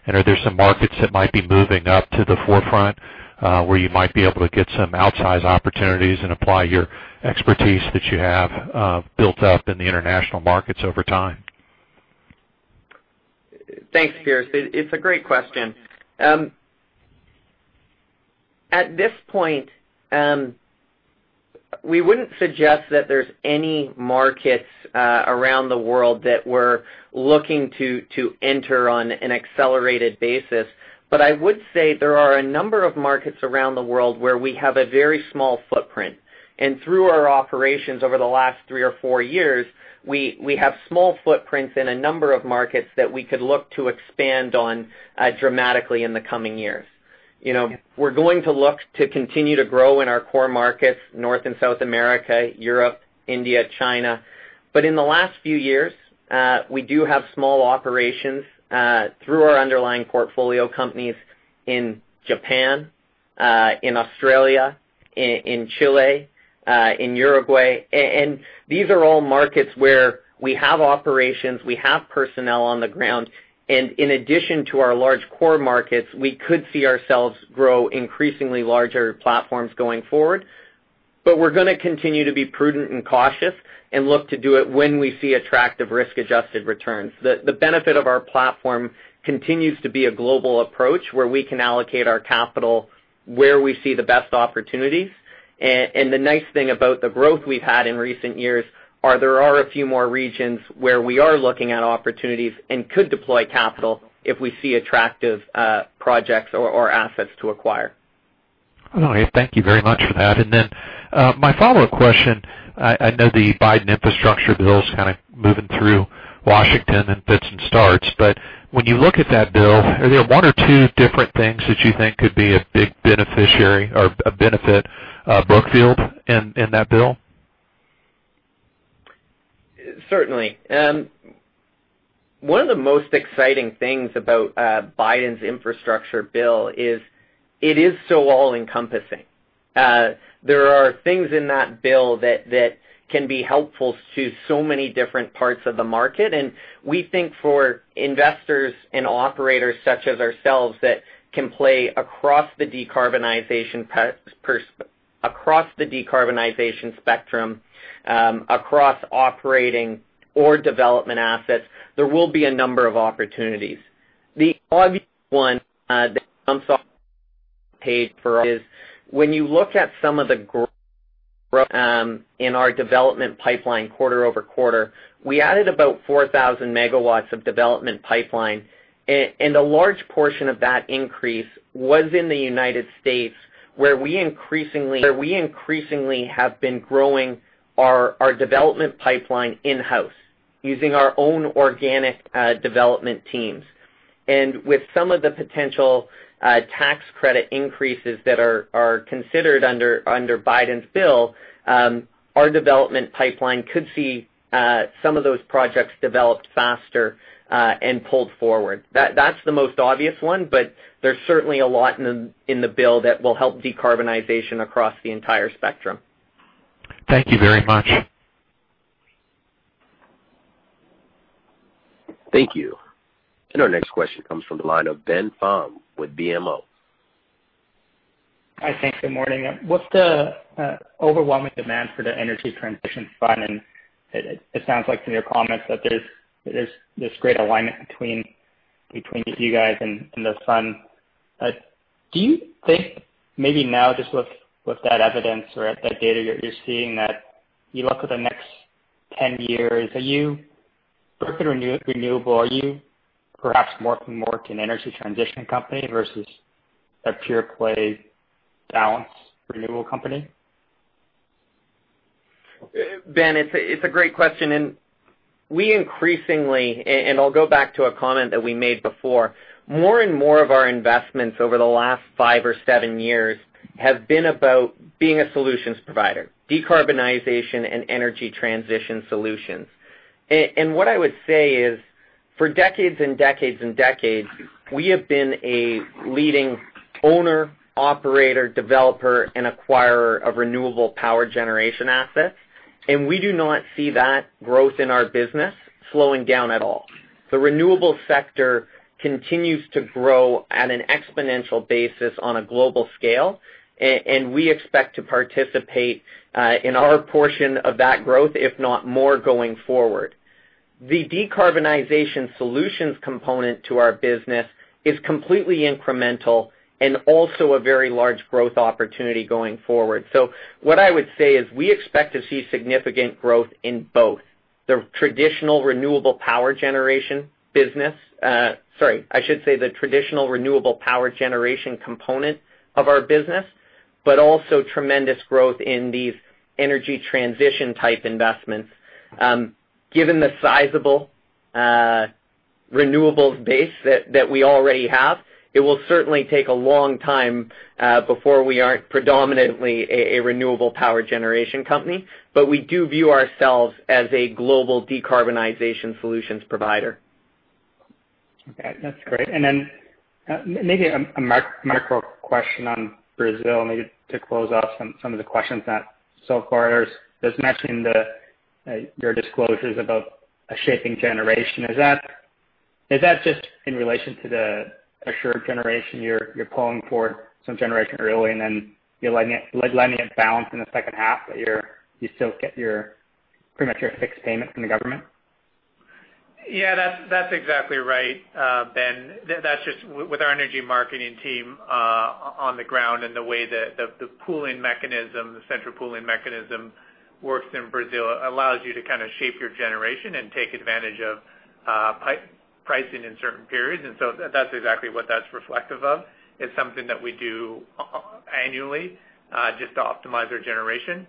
Are there some markets that might be moving up to the forefront, where you might be able to get some outsized opportunities and apply your expertise that you have built up in the international markets over time? Thanks, Pearce. It's a great question. At this point, we wouldn't suggest that there's any markets around the world that we're looking to enter on an accelerated basis. I would say there are a number of markets around the world where we have a very small footprint. Through our operations over the last three or four years, we have small footprints in a number of markets that we could look to expand on dramatically in the coming years. We're going to look to continue to grow in our core markets, North and South America, Europe, India, China. In the last few years, we do have small operations through our underlying portfolio companies in Japan, in Australia, in Chile, in Uruguay. These are all markets where we have operations, we have personnel on the ground. In addition to our large core markets, we could see ourselves grow increasingly larger platforms going forward. We're going to continue to be prudent and cautious and look to do it when we see attractive risk-adjusted returns. The benefit of our platform continues to be a global approach where we can allocate our capital where we see the best opportunities. The nice thing about the growth we've had in recent years are there are a few more regions where we are looking at opportunities and could deploy capital if we see attractive projects or assets to acquire. Okay. Thank you very much for that. My follow-up question, I know the Biden Infrastructure Bill is kind of moving through Washington in fits and starts. When you look at that bill, are there one or two different things that you think could be a big beneficiary or a benefit Brookfield in that bill? Certainly. One of the most exciting things about Biden's Infrastructure Bill is it is so all-encompassing. There are things in that bill that can be helpful to so many different parts of the market. We think for investors and operators such as ourselves that can play across the decarbonization spectrum, across operating or development assets, there will be a number of opportunities. The obvious one that jumps off the page for us is when you look at some of the growth in our development pipeline quarter over quarter. We added about 4,000 MW of development pipeline, and a large portion of that increase was in the U.S., where we increasingly have been growing our development pipeline in-house using our own organic development teams. With some of the potential tax credit increases that are considered under Biden's Bill, our development pipeline could see some of those projects developed faster and pulled forward. That's the most obvious one, but there's certainly a lot in the bill that will help decarbonization across the entire spectrum. Thank you very much. Thank you. Our next question comes from the line of Ben Pham with BMO. Hi, thanks. Good morning. What's the overwhelming demand for the energy Transition Fund? It sounds like from your comments that there's this great alignment between you guys and the fund. Do you think maybe now, just with that evidence or that data you're seeing that you look at the next 10 years, are you, Brookfield Renewable, are you perhaps morphing more to an energy transition company versus a pure-play balance renewable company? Ben, it's a great question. We increasingly, and I'll go back to a comment that we made before, more and more of our investments over the last five or seven years have been about being a solutions provider, decarbonization and energy transition solutions. What I would say is, for decades and decades and decades, we have been a leading owner, operator, developer, and acquirer of renewable power generation assets, and we do not see that growth in our business slowing down at all. The renewable sector continues to grow at an exponential basis on a global scale, and we expect to participate in our portion of that growth, if not more, going forward. The decarbonization solutions component to our business is completely incremental and also a very large growth opportunity going forward. What I would say is we expect to see significant growth in both the traditional renewable power generation, sorry, I should say the traditional renewable power generation component of our business, but also tremendous growth in these energy transition-type investments. Given the sizable renewables base that we already have, it will certainly take a long time before we aren't predominantly a renewable power generation company, but we do view ourselves as a global decarbonization solutions provider. Okay, that's great. Maybe a macro question on Brazil, maybe to close off some of the questions that so far there's a mention in your disclosures about shaping generation. Is that just in relation to the assured generation, you're pulling for some generation early and then you're letting it balance in the second half, but you still get pretty much your fixed payment from the government? Yeah, that's exactly right, Ben. That's just with our energy marketing team on the ground and the way the pooling mechanism, the central pooling mechanism, works in Brazil, allows you to kind of shape your generation and take advantage of pricing in certain periods. That's exactly what that's reflective of. It's something that we do annually just to optimize our generation.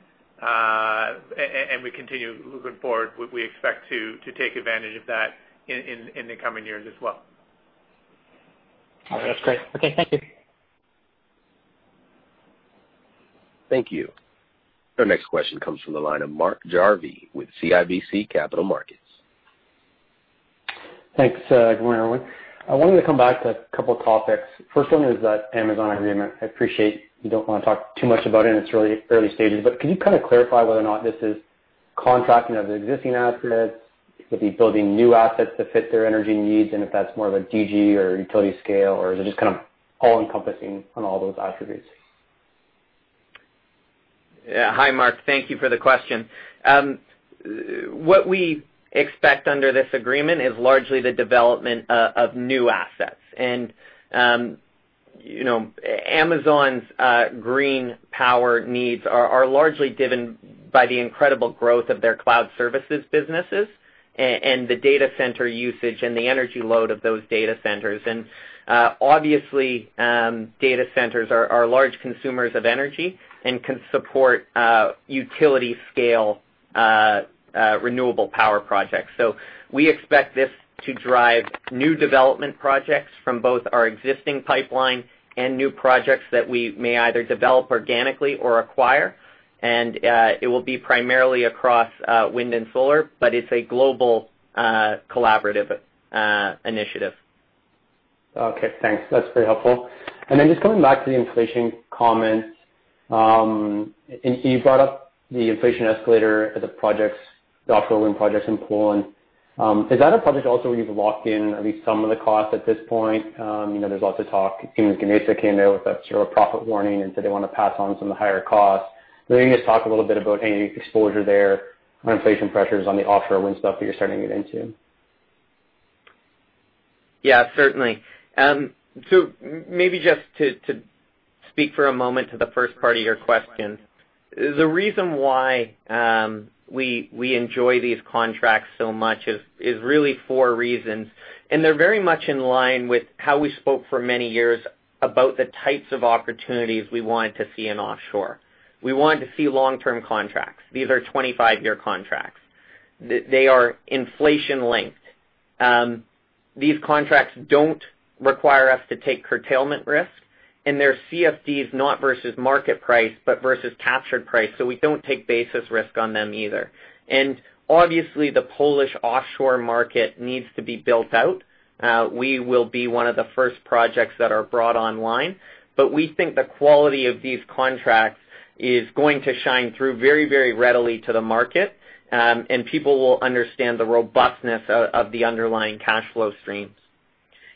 We continue moving forward, we expect to take advantage of that in the coming years as well. All right. That's great. Okay. Thank you. Thank you. Our next question comes from the line of Mark Jarvi with CIBC Capital Markets. Thanks. Good morning, everyone. I wanted to come back to a couple of topics. First one is that Amazon agreement. I appreciate you don't want to talk too much about it, and it's really early stages. Can you kind of clarify whether or not this is contracting of the existing assets? Will you be building new assets that fit their energy needs, and if that's more of a DG or utility scale, or is it just kind of all-encompassing on all those attributes? Hi, Mark. Thank you for the question. What we expect under this agreement is largely the development of new assets. Amazon's green power needs are largely driven by the incredible growth of their cloud services businesses and the data center usage and the energy load of those data centers. Obviously, data centers are large consumers of energy and can support utility-scale renewable power projects. We expect this to drive new development projects from both our existing pipeline and new projects that we may either develop organically or acquire. It will be primarily across wind and solar, but it's a global collaborative initiative. Okay, thanks. That's very helpful. Just coming back to the inflation comments. You brought up the inflation escalator of the projects, the offshore wind projects in Poland. Is that a project also where you've locked in at least some of the costs at this point? There's lots of talk. Siemens Gamesa came out with a sort of profit warning and said they want to pass on some of the higher costs. Can you just talk a little bit about any exposure there on inflation pressures on the offshore wind stuff that you're starting to get into? Yeah, certainly. Maybe just to speak for a moment to the first part of your question. The reason why we enjoy these contracts so much is really four reasons, and they're very much in line with how we spoke for many years about the types of opportunities we wanted to see in offshore. We wanted to see long-term contracts. These are 25-year contracts. They are inflation-linked. These contracts don't require us to take curtailment risk, and they're CFDs not versus market price, but versus captured price, so we don't take basis risk on them either. Obviously, the Polish offshore market needs to be built out. We will be 1 of the first projects that are brought online, but we think the quality of these contracts is going to shine through very readily to the market, and people will understand the robustness of the underlying cash flow streams.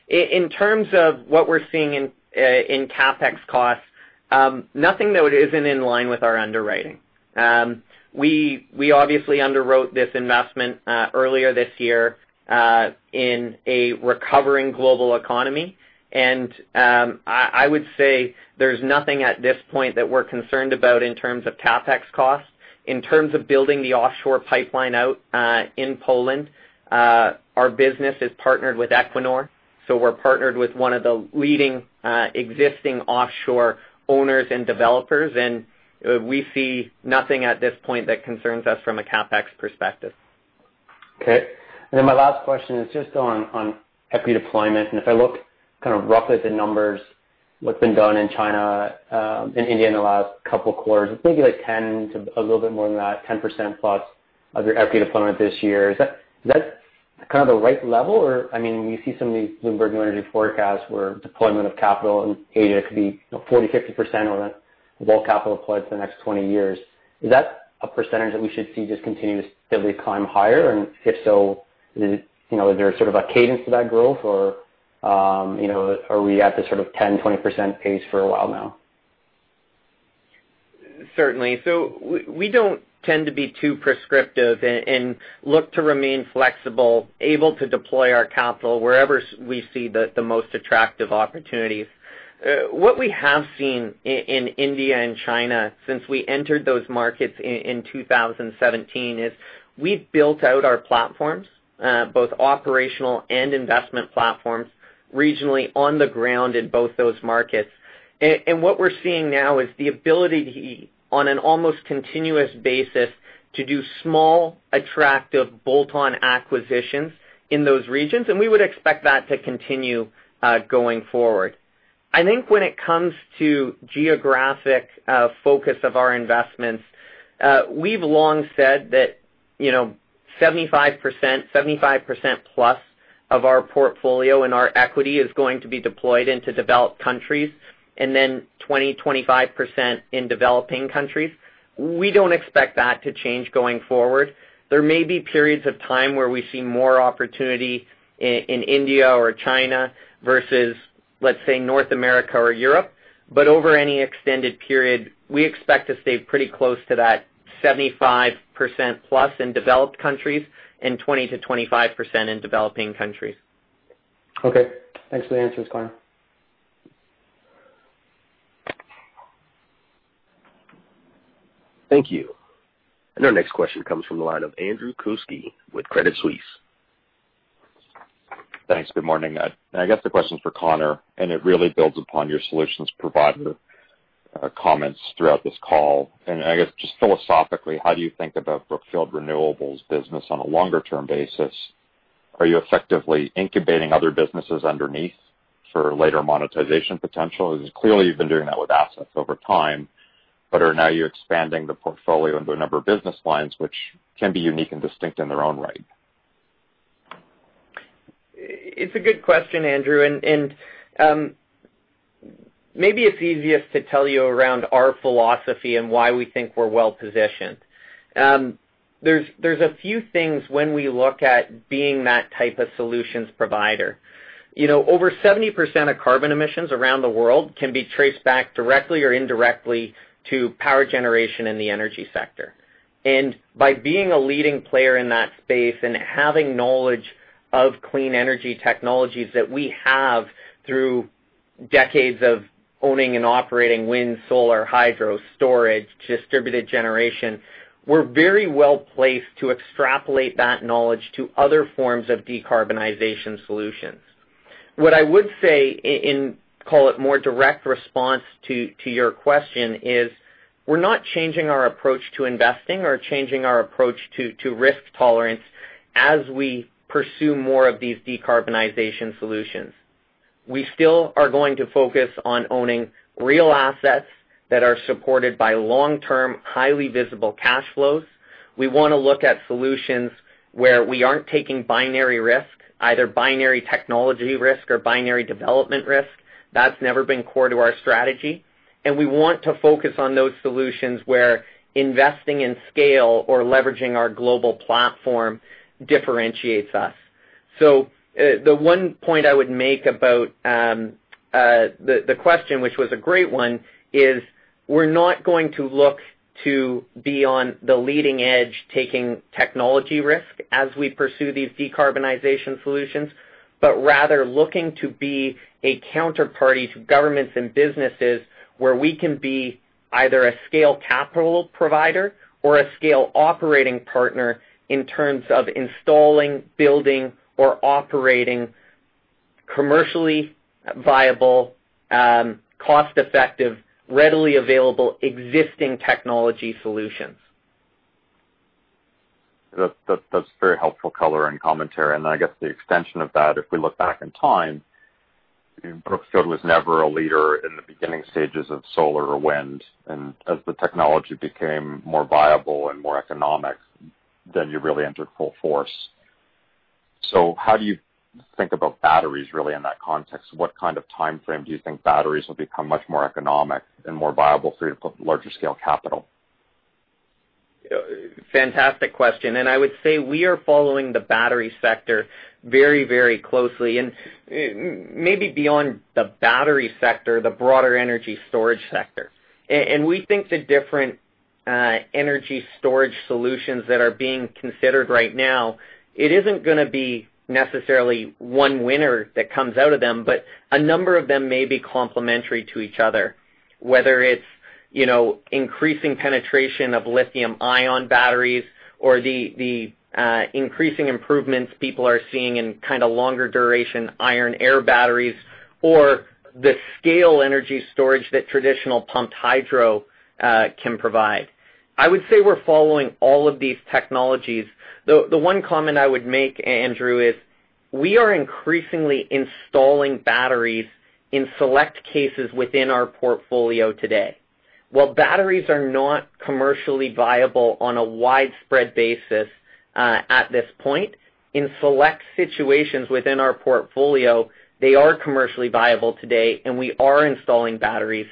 In terms of what we're seeing in CapEx costs, nothing that isn't in line with our underwriting. We obviously underwrote this investment earlier this year, in a recovering global economy, and I would say there's nothing at this point that we're concerned about in terms of CapEx costs. In terms of building the offshore pipeline out in Poland, our business is partnered with Equinor, so we're partnered with one of the leading existing offshore owners and developers, and we see nothing at this point that concerns us from a CapEx perspective. Okay. My last question is just on equity deployment. If I look kind of roughly at the numbers, what's been done in China and India in the last couple of quarters, it's maybe like 10% to a little bit more than that, 10%+ of your equity deployment this year. Is that kind of the right level? You see some of these Bloomberg New Energy forecasts where deployment of capital in Asia could be 40%-50% of all capital deployed for the next 20-years. Is that a percentage that we should see just continuously climb higher? If so, is there a sort of a cadence to that growth? Are we at this sort of 10%, 20% pace for a while now? Certainly. We don't tend to be too prescriptive and look to remain flexible, able to deploy our capital wherever we see the most attractive opportunities. What we have seen in India and China since we entered those markets in 2017 is we've built out our platforms, both operational and investment platforms, regionally on the ground in both those markets. What we're seeing now is the ability to, on an almost continuous basis, to do small, attractive bolt-on acquisitions in those regions, and we would expect that to continue going forward. I think when it comes to geographic focus of our investments, we've long said that 75%+ of our portfolio and our equity is going to be deployed into developed countries, and then 20%-25% in developing countries. We don't expect that to change going forward. There may be periods of time where we see more opportunity in India or China versus, let's say, North America or Europe. Over any extended period, we expect to stay pretty close to that 75%+ in developed countries and 20%-25% in developing countries. Okay. Thanks for the answers, Connor. Thank you. Our next question comes from the line of Andrew Kuske with Credit Suisse. Thanks. Good morning. I guess the question's for Connor, and it really builds upon your solutions provider comments throughout this call. I guess just philosophically, how do you think about Brookfield Renewable's business on a longer-term basis? Are you effectively incubating other businesses underneath for later monetization potential? Because clearly you've been doing that with assets over time. Are now you expanding the portfolio into a number of business lines which can be unique and distinct in their own right? It's a good question, Andrew, maybe it's easiest to tell you around our philosophy and why we think we're well-positioned. There's a few things when we look at being that type of solutions provider. Over 70% of carbon emissions around the world can be traced back directly or indirectly to power generation in the energy sector. By being a leading player in that space and having knowledge of clean energy technologies that we have through decades of owning and operating wind, solar, hydro storage, distributed generation, we're very well-placed to extrapolate that knowledge to other forms of decarbonization solutions. What I would say in, call it more direct response to your question is, we're not changing our approach to investing or changing our approach to risk tolerance as we pursue more of these decarbonization solutions. We still are going to focus on owning real assets that are supported by long-term, highly visible cash flows. We want to look at solutions where we aren't taking binary risk, either binary technology risk or binary development risk. That's never been core to our strategy. We want to focus on those solutions where investing in scale or leveraging our global platform differentiates us. The one point I would make about the question, which was a great one, is we're not going to look to be on the leading edge, taking technology risk as we pursue these decarbonization solutions, but rather looking to be a counterparty to governments and businesses, where we can be either a scale capital provider or a scale operating partner in terms of installing, building or operating commercially viable, cost-effective, readily available existing technology solutions. That's very helpful color and commentary. I guess the extension of that, if we look back in time, Brookfield was never a leader in the beginning stages of solar or wind, as the technology became more viable and more economic, you really entered full force. How do you think about batteries really in that context? What kind of timeframe do you think batteries will become much more economic and more viable for you to put larger scale capital? Fantastic question. I would say we are following the battery sector very closely, and maybe beyond the battery sector, the broader energy storage sector. We think the different energy storage solutions that are being considered right now, it isn't going to be necessarily one winner that comes out of them, but a number of them may be complementary to each other, whether it's increasing penetration of lithium-ion batteries or the increasing improvements people are seeing in kind of longer duration iron air batteries, or the scale energy storage that traditional pumped hydro can provide. I would say we're following all of these technologies. The one comment I would make, Andrew, is we are increasingly installing batteries in select cases within our portfolio today. While batteries are not commercially viable on a widespread basis at this point, in select situations within our portfolio, they are commercially viable today, and we are installing batteries,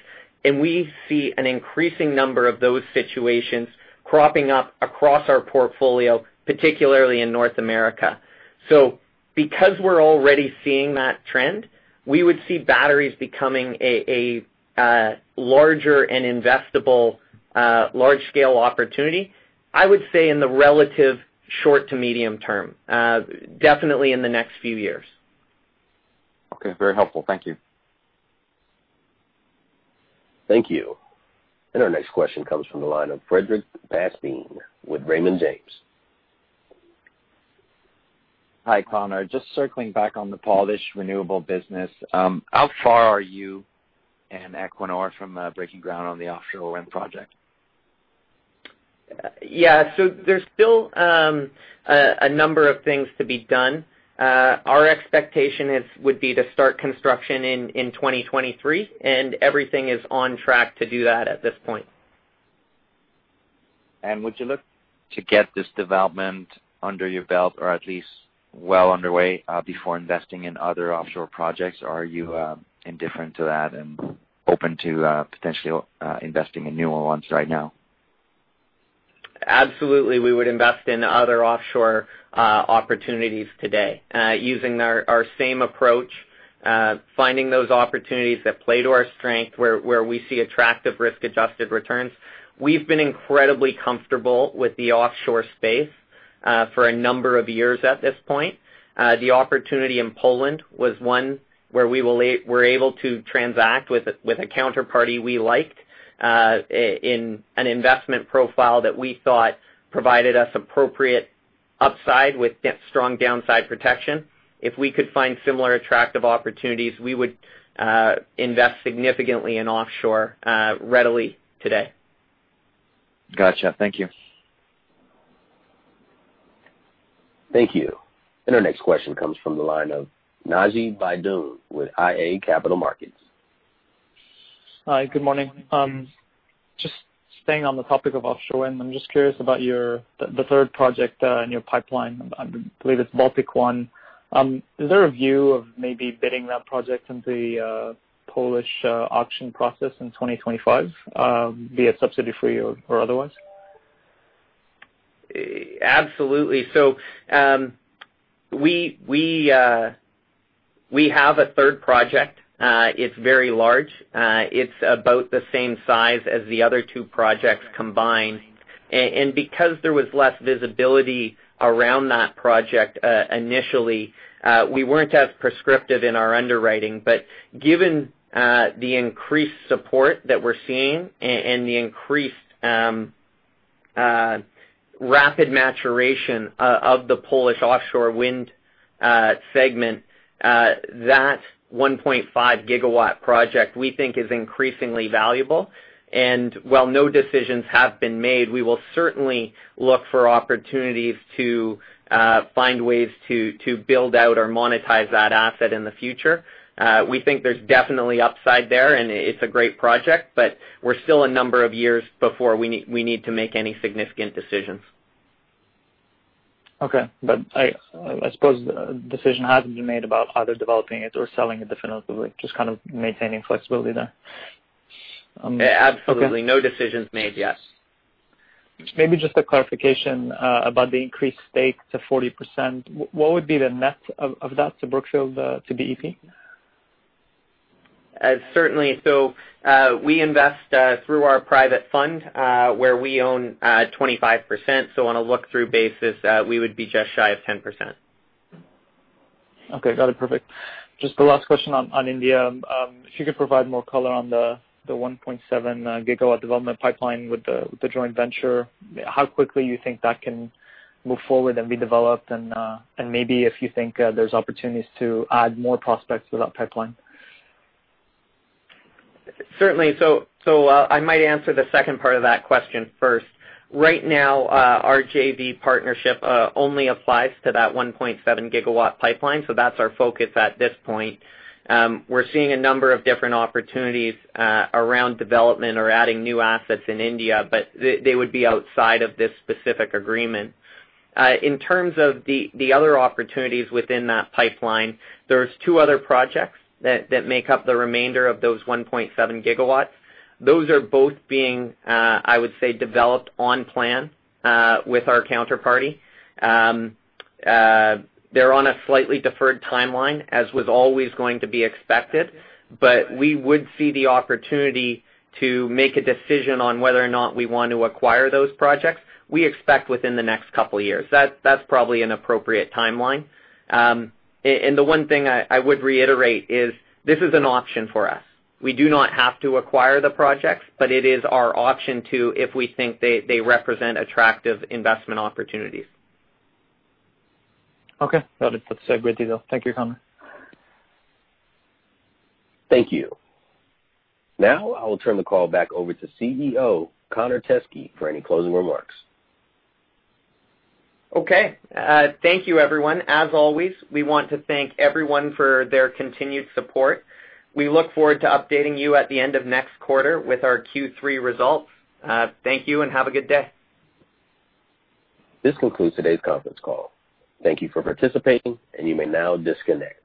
and we see an increasing number of those situations cropping up across our portfolio, particularly in North America. Because we're already seeing that trend, we would see batteries becoming a larger and investable large-scale opportunity, I would say in the relative short to medium term. Definitely in the next few years. Okay. Very helpful. Thank you. Thank you. Our next question comes from the line of Frederic Bastien with Raymond James. Hi, Connor. Just circling back on the Polish renewable business. How far are you and Equinor from breaking ground on the offshore wind project? Yeah. There's still a number of things to be done. Our expectation would be to start construction in 2023. Everything is on track to do that at this point. Would you look to get this development under your belt or at least well underway, before investing in other offshore projects? Are you indifferent to that and open to potentially investing in newer ones right now? Absolutely. We would invest in other offshore opportunities today. Using our same approach, finding those opportunities that play to our strength, where we see attractive risk-adjusted returns. We've been incredibly comfortable with the offshore space for a number of years at this point. The opportunity in Poland was one where we were able to transact with a counterparty we liked, in an investment profile that we thought provided us appropriate upside with strong downside protection. If we could find similar attractive opportunities, we would invest significantly in offshore readily today. Got you. Thank you. Thank you. Our next question comes from the line of Naji Baydoun with iA Capital Markets. Hi, good morning. Just staying on the topic of offshore wind, I'm just curious about the third project in your pipeline. I believe it's Bałtyk I. Is there a view of maybe bidding that project into the Polish auction process in 2025, be it subsidy-free or otherwise? Absolutely. We have a third project. It's very large. It's about the same size as the other two projects combined. Because there was less visibility around that project initially, we weren't as prescriptive in our underwriting. Given the increased support that we're seeing and the increased rapid maturation of the Polish offshore wind segment, that 1.5 GW project, we think is increasingly valuable. While no decisions have been made, we will certainly look for opportunities to find ways to build out or monetize that asset in the future. We think there's definitely upside there, and it's a great project, but we're still a number of years before we need to make any significant decisions. Okay. I suppose a decision hasn't been made about either developing it or selling it definitively, just kind of maintaining flexibility there? Absolutely. No decisions made yet. Maybe just a clarification about the increased stake to 40%. What would be the net of that to Brookfield to BEP? Certainly. We invest through our private fund, where we own 25%. On a look-through basis, we would be just shy of 10%. Okay, got it. Perfect. Just the last question on India. If you could provide more color on the 1.7 GW development pipeline with the joint venture, how quickly you think that can move forward and be developed and, maybe if you think there's opportunities to add more prospects to that pipeline? Certainly. I might answer the second part of that question first. Right now, our JV partnership only applies to that 1.7 GW pipeline. That's our focus at this point. We're seeing a number of different opportunities around development or adding new assets in India. They would be outside of this specific agreement. In terms of the other opportunities within that pipeline, there's two other projects that make up the remainder of those 1.7 GW. Those are both being, I would say, developed on plan, with our counterparty. They're on a slightly deferred timeline as was always going to be expected. We would see the opportunity to make a decision on whether or not we want to acquire those projects, we expect within the next couple of years. That's probably an appropriate timeline. The one thing I would reiterate is this is an option for us. We do not have to acquire the projects, but it is our option to if we think they represent attractive investment opportunities. Okay. Got it. That's great detail. Thank you, Connor. Thank you. Now I will turn the call back over to Chief Executive Officer Connor Teskey for any closing remarks. Okay, thank you everyone. As always, we want to thank everyone for their continued support. We look forward to updating you at the end of next quarter with our Q3 results. Thank you and have a good day. This concludes today's conference call. Thank you for participating. You may now disconnect.